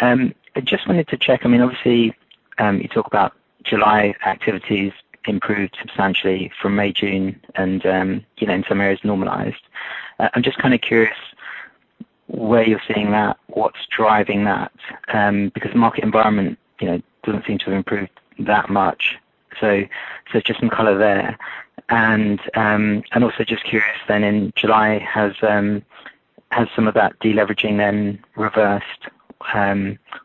I just wanted to check, I mean, obviously, you talk about July activities improved substantially from May, June and, you know, in some areas normalized. I'm just kinda curious where you're seeing that, what's driving that, because market environment, you know, doesn't seem to have improved that much. Just some color there. Also just curious then in July, has some of that de-leveraging then reversed,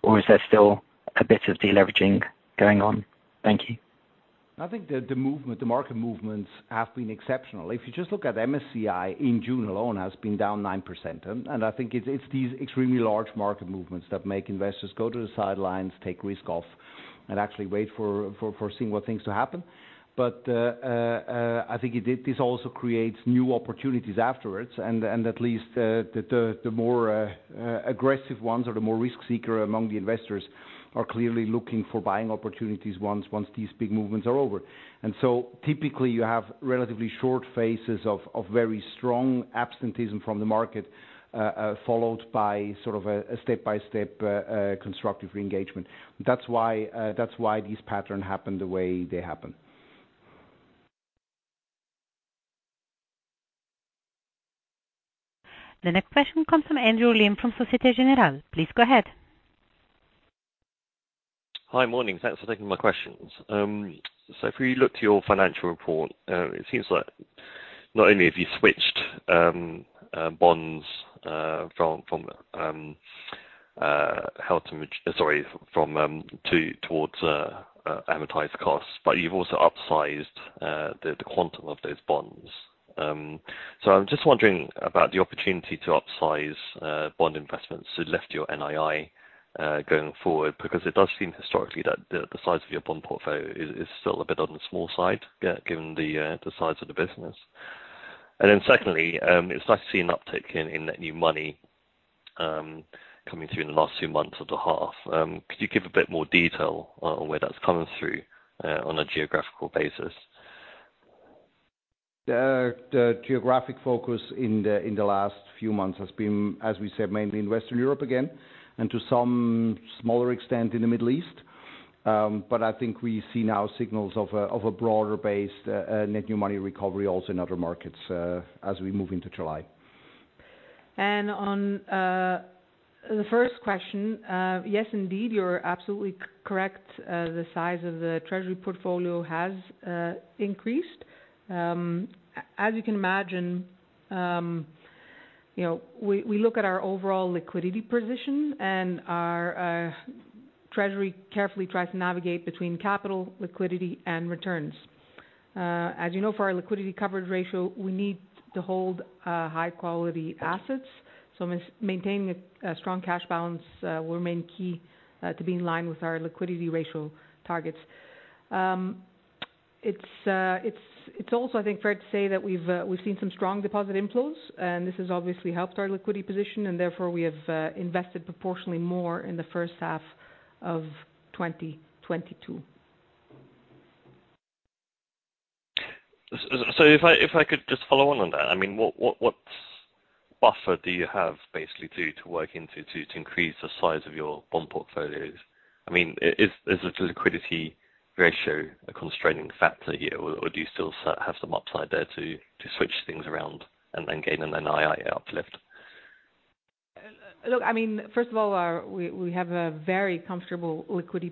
or is there still a bit of de-leveraging going on? Thank you. I think the movement, the market movements have been exceptional. If you just look at MSCI in June alone has been down 9%. I think it's these extremely large market movements that make investors go to the sidelines, take risk off, and actually wait for seeing what things to happen. I think this also creates new opportunities afterwards. At least the more aggressive ones or the more risk seeker among the investors are clearly looking for buying opportunities once these big movements are over. Typically, you have relatively short phases of very strong absenteeism from the market, followed by sort of a step-by-step constructive re-engagement. That's why these patterns happen the way they happen. The next question comes from Andrew Lim from Société Générale. Please go ahead. Hi. Morning. Thanks for taking my questions. If we look to your financial report, it seems like not only have you switched bonds from held-to-maturity to amortized costs, but you've also upsized the quantum of those bonds. I'm just wondering about the opportunity to upsize bond investments to lift your NII going forward, because it does seem historically that the size of your bond portfolio is still a bit on the small side, given the size of the business. Secondly, it's nice to see an uptick in that new money coming through in the last two months of the half. Could you give a bit more detail on where that's coming through, on a geographical basis? The geographic focus in the last few months has been, as we said, mainly in Western Europe again, and to some smaller extent in the Middle East. I think we see now signals of a broader based net new money recovery also in other markets, as we move into July. On the first question, yes, indeed, you're absolutely correct. The size of the treasury portfolio has increased. As you can imagine, you know, we look at our overall liquidity position and our treasury carefully tries to navigate between capital, liquidity and returns. As you know, for our liquidity coverage ratio, we need to hold high quality assets. Maintaining a strong cash balance will remain key to be in line with our liquidity ratio targets. It's also, I think, fair to say that we've seen some strong deposit inflows, and this has obviously helped our liquidity position and therefore we have invested proportionally more in the first half of 2022. If I could just follow on that. I mean, what buffer do you have basically to work into to increase the size of your bond portfolios? I mean, is the liquidity ratio a constraining factor here or do you still have some upside there to switch things around and then gain an NII uplift? Look, I mean, first of all, we have a very comfortable liquidity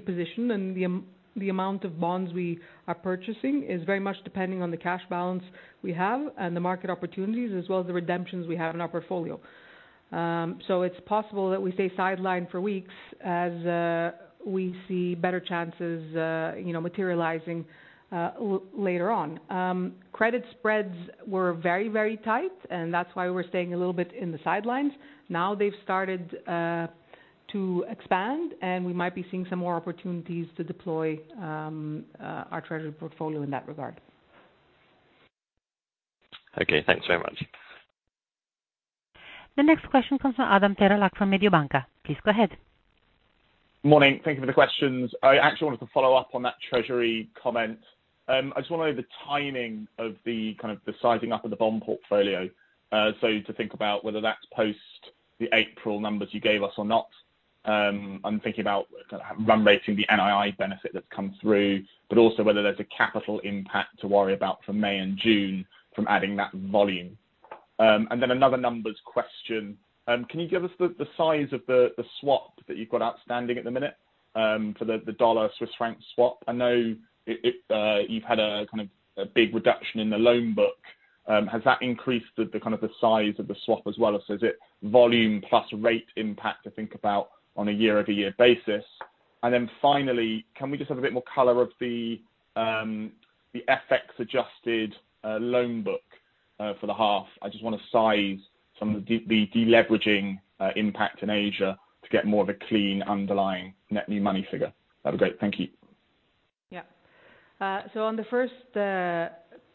position, and the amount of bonds we are purchasing is very much depending on the cash balance we have and the market opportunities as well as the redemptions we have in our portfolio. So it's possible that we stay sidelined for weeks as we see better chances, you know, materializing later on. Credit spreads were very, very tight, and that's why we're staying a little bit in the sidelines. Now they've started to expand, and we might be seeing some more opportunities to deploy our treasury portfolio in that regard. Okay, thanks very much. The next question comes from Adam Terelak from Mediobanca. Please go ahead. Morning. Thank you for the questions. I actually wanted to follow up on that treasury comment. I just wanna know the timing of the kind of sizing up of the bond portfolio to think about whether that's post the April numbers you gave us or not. I'm thinking about kind of run rating the NII benefit that's come through, but also whether there's a capital impact to worry about from May and June from adding that volume. Another numbers question. Can you give us the size of the swap that you've got outstanding at the minute for the dollar Swiss franc swap? I know it you've had a kind of a big reduction in the loan book. Has that increased the kind of size of the swap as well, or so is it volume plus rate impact to think about on a year-over-year basis? Finally, can we just have a bit more color on the FX adjusted loan book for the half? I just wanna size some of the deleveraging impact in Asia to get more of a clean underlying net new money figure. That'd be great. Thank you. Yeah. So on the first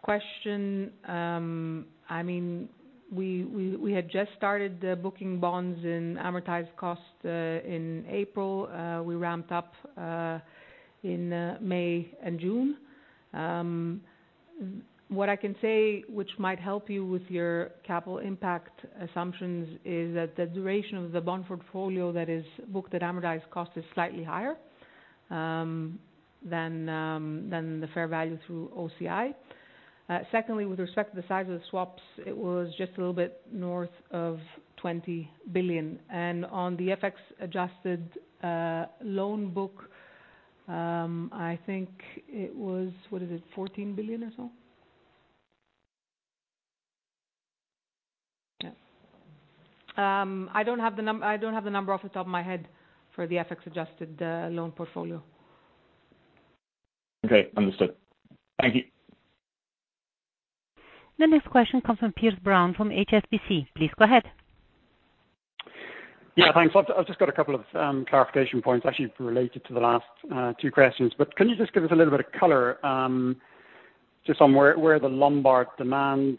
question, I mean, we had just started the booking bonds in amortized cost in April. We ramped up in May and June. What I can say, which might help you with your capital impact assumptions, is that the duration of the bond portfolio that is booked at amortized cost is slightly higher than the fair value through OCI. Secondly, with respect to the size of the swaps, it was just a little bit north of 20 billion. On the FX adjusted loan book, I think it was. What is it? 14 billion or so? Yeah. I don't have the number off the top of my head for the FX adjusted loan portfolio. Okay, understood. Thank you. The next question comes from Piers Brown, from HSBC. Please go ahead. Yeah, thanks. I've just got a couple of clarification points actually related to the last two questions. Can you just give us a little bit of color just on where the Lombard demand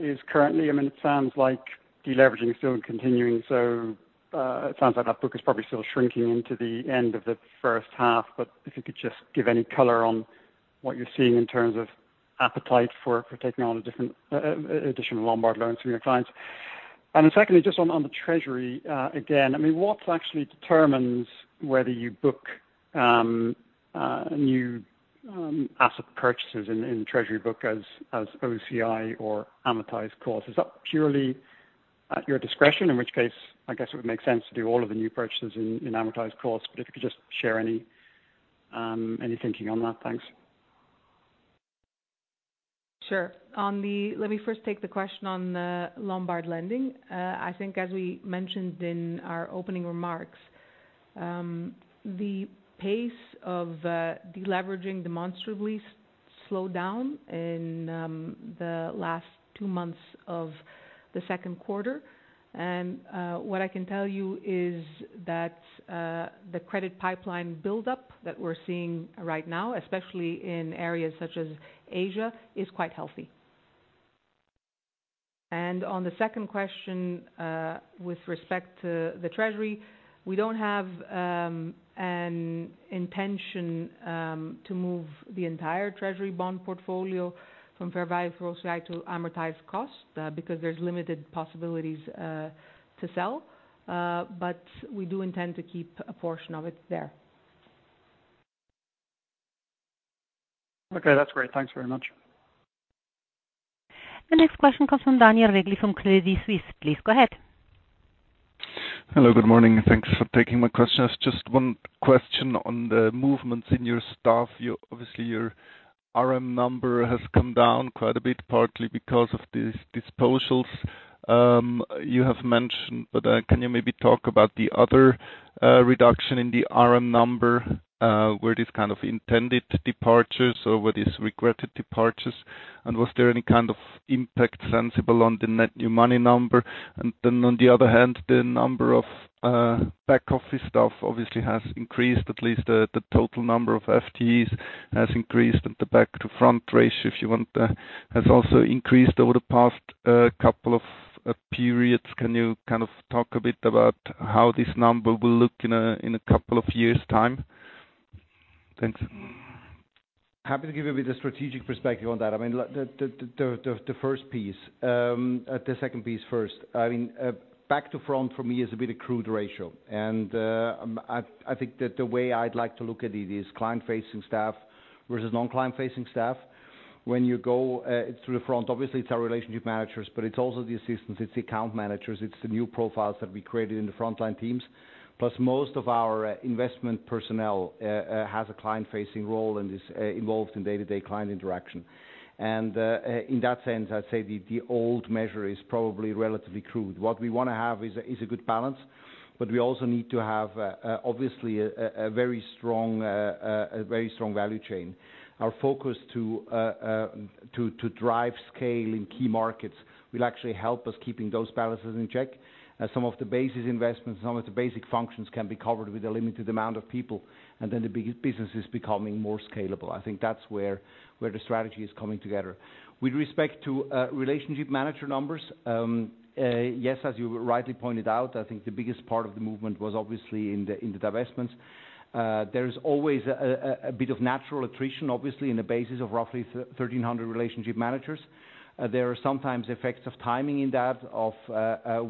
is currently? I mean, it sounds like deleveraging is still continuing, so it sounds like that book is probably still shrinking into the end of the first half. If you could just give any color on what you're seeing in terms of appetite for taking on a different additional Lombard loans from your clients. Then secondly, just on the Treasury again, I mean, what actually determines whether you book new asset purchases in Treasury book as OCI or amortized cost? Is that purely at your discretion? In which case, I guess it would make sense to do all of the new purchases in amortized cost. If you could just share any thinking on that. Thanks. Sure. Let me first take the question on the Lombard lending. I think as we mentioned in our opening remarks, the pace of deleveraging demonstrably slowed down in the last two months of the second quarter. What I can tell you is that the credit pipeline buildup that we're seeing right now, especially in areas such as Asia, is quite healthy. On the second question, with respect to the Treasury, we don't have an intention to move the entire Treasury bond portfolio from fair value through OCI to amortized cost, because there's limited possibilities to sell, but we do intend to keep a portion of it there. Okay, that's great. Thanks very much. The next question comes from Daniel Regli from Credit Suisse. Please go ahead. Hello, good morning, and thanks for taking my questions. Just one question on the movements in your staff. Your obviously, your RM number has come down quite a bit, partly because of the disposals. You have mentioned, can you maybe talk about the other reduction in the RM number, were these kind of intended departures or were these regretted departures? Was there any kind of significant impact on the net new money number? On the other hand, the number of back office staff obviously has increased. At least the total number of FTEs has increased, and the back-to-front ratio, if you want, has also increased over the past couple of periods. Can you kind of talk a bit about how this number will look in a couple of years' time? Thanks. Happy to give you a bit of strategic perspective on that. I mean, the first piece, the second piece first. I mean, back to front for me is a bit of crude ratio. I think that the way I'd like to look at it is client-facing staff versus non-client facing staff. When you go through the front, obviously it's our relationship managers, but it's also the assistants, it's the account managers, it's the new profiles that we created in the frontline teams. Plus, most of our investment personnel has a client-facing role and is involved in day-to-day client interaction. In that sense, I'd say the old measure is probably relatively crude. What we wanna have is a good balance, but we also need to have obviously a very strong value chain. Our focus to drive scale in key markets will actually help us keeping those balances in check. Some of the basic investments, some of the basic functions can be covered with a limited amount of people, and then the business is becoming more scalable. I think that's where the strategy is coming together. With respect to relationship manager numbers, yes, as you rightly pointed out, I think the biggest part of the movement was obviously in the divestments. There is always a bit of natural attrition, obviously, on the basis of roughly 1,300 relationship managers. There are sometimes effects of timing in that,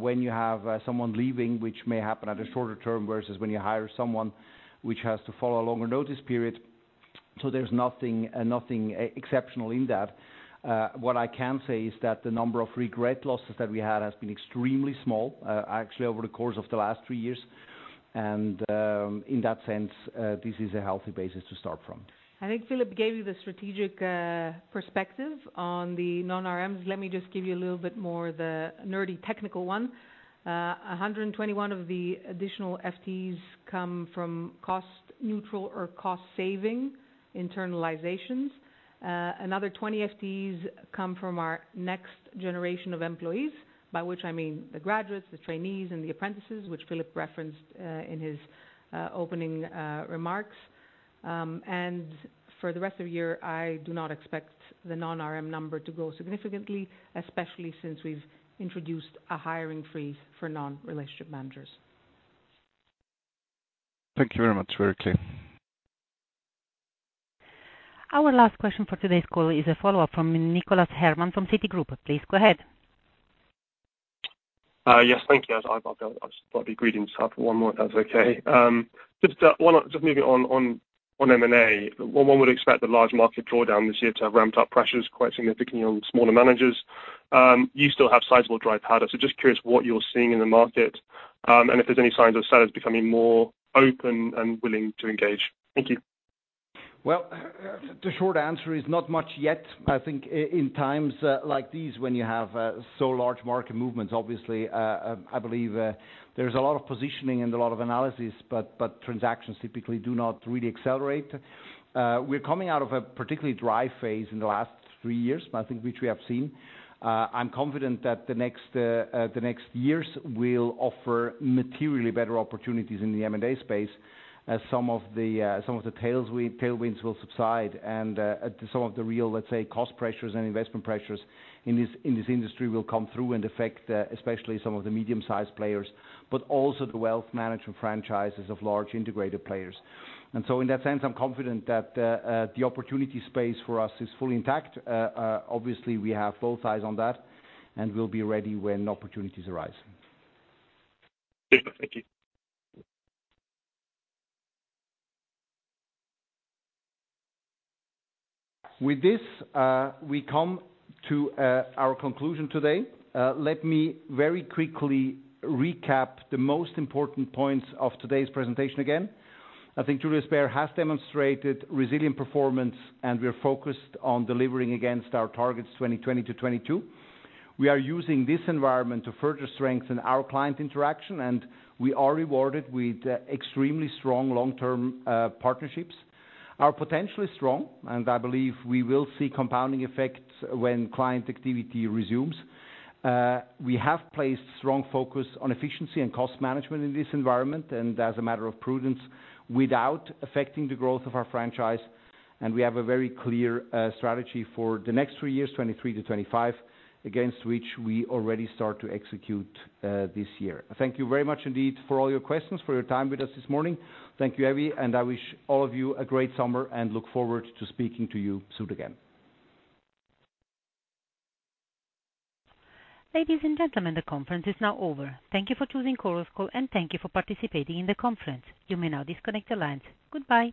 when you have someone leaving, which may happen at a shorter term, versus when you hire someone, which has to follow a longer notice period. There's nothing exceptional in that. What I can say is that the number of regret losses that we had has been extremely small, actually over the course of the last three years. In that sense, this is a healthy basis to start from. I think Philipp gave you the strategic perspective on the non-RMs. Let me just give you a little bit more the nerdy technical one. 121 of the additional FTEs come from cost neutral or cost saving internalizations. Another 20 FTEs come from our next generation of employees, by which I mean the graduates, the trainees, and the apprentices, which Philipp referenced in his opening remarks. For the rest of the year, I do not expect the non-RM number to grow significantly, especially since we've introduced a hiring freeze for non-relationship managers. Thank you very much. Very clear. Our last question for today's call is a follow-up from Nicholas Herman from Citigroup. Please go ahead. Yes, thank you. I've just got a few greetings, so I have one more if that's okay. Just moving on M&A. One would expect the large market drawdown this year to have ramped up pressures quite significantly on smaller managers. You still have sizable dry powder, so just curious what you're seeing in the market, and if there's any signs of sellers becoming more open and willing to engage. Thank you. Well, the short answer is not much yet. I think in times like these, when you have so large market movements, obviously, I believe, there's a lot of positioning and a lot of analysis, but transactions typically do not really accelerate. We're coming out of a particularly dry phase in the last three years, I think, which we have seen. I'm confident that the next years will offer materially better opportunities in the M&A space as some of the tailwinds will subside and some of the real, let's say, cost pressures and investment pressures in this industry will come through and affect especially some of the medium-sized players, but also the wealth management franchises of large integrated players. In that sense, I'm confident that the opportunity space for us is fully intact. Obviously we have both eyes on that, and we'll be ready when opportunities arise. Thank you. With this, we come to our conclusion today. Let me very quickly recap the most important points of today's presentation again. I think Julius Baer has demonstrated resilient performance, and we're focused on delivering against our targets 2020-2022. We are using this environment to further strengthen our client interaction, and we are rewarded with extremely strong long-term partnerships. Our potential is strong, and I believe we will see compounding effects when client activity resumes. We have placed strong focus on efficiency and cost management in this environment, and as a matter of prudence, without affecting the growth of our franchise, and we have a very clear strategy for the next three years, 2023-2025, against which we already start to execute this year. Thank you very much indeed for all your questions, for your time with us this morning. Thank you, Evie, and I wish all of you a great summer and look forward to speaking to you soon again. Ladies and gentlemen, the conference is now over. Thank you for choosing Chorus Call, and thank you for participating in the conference. You may now disconnect the lines. Goodbye.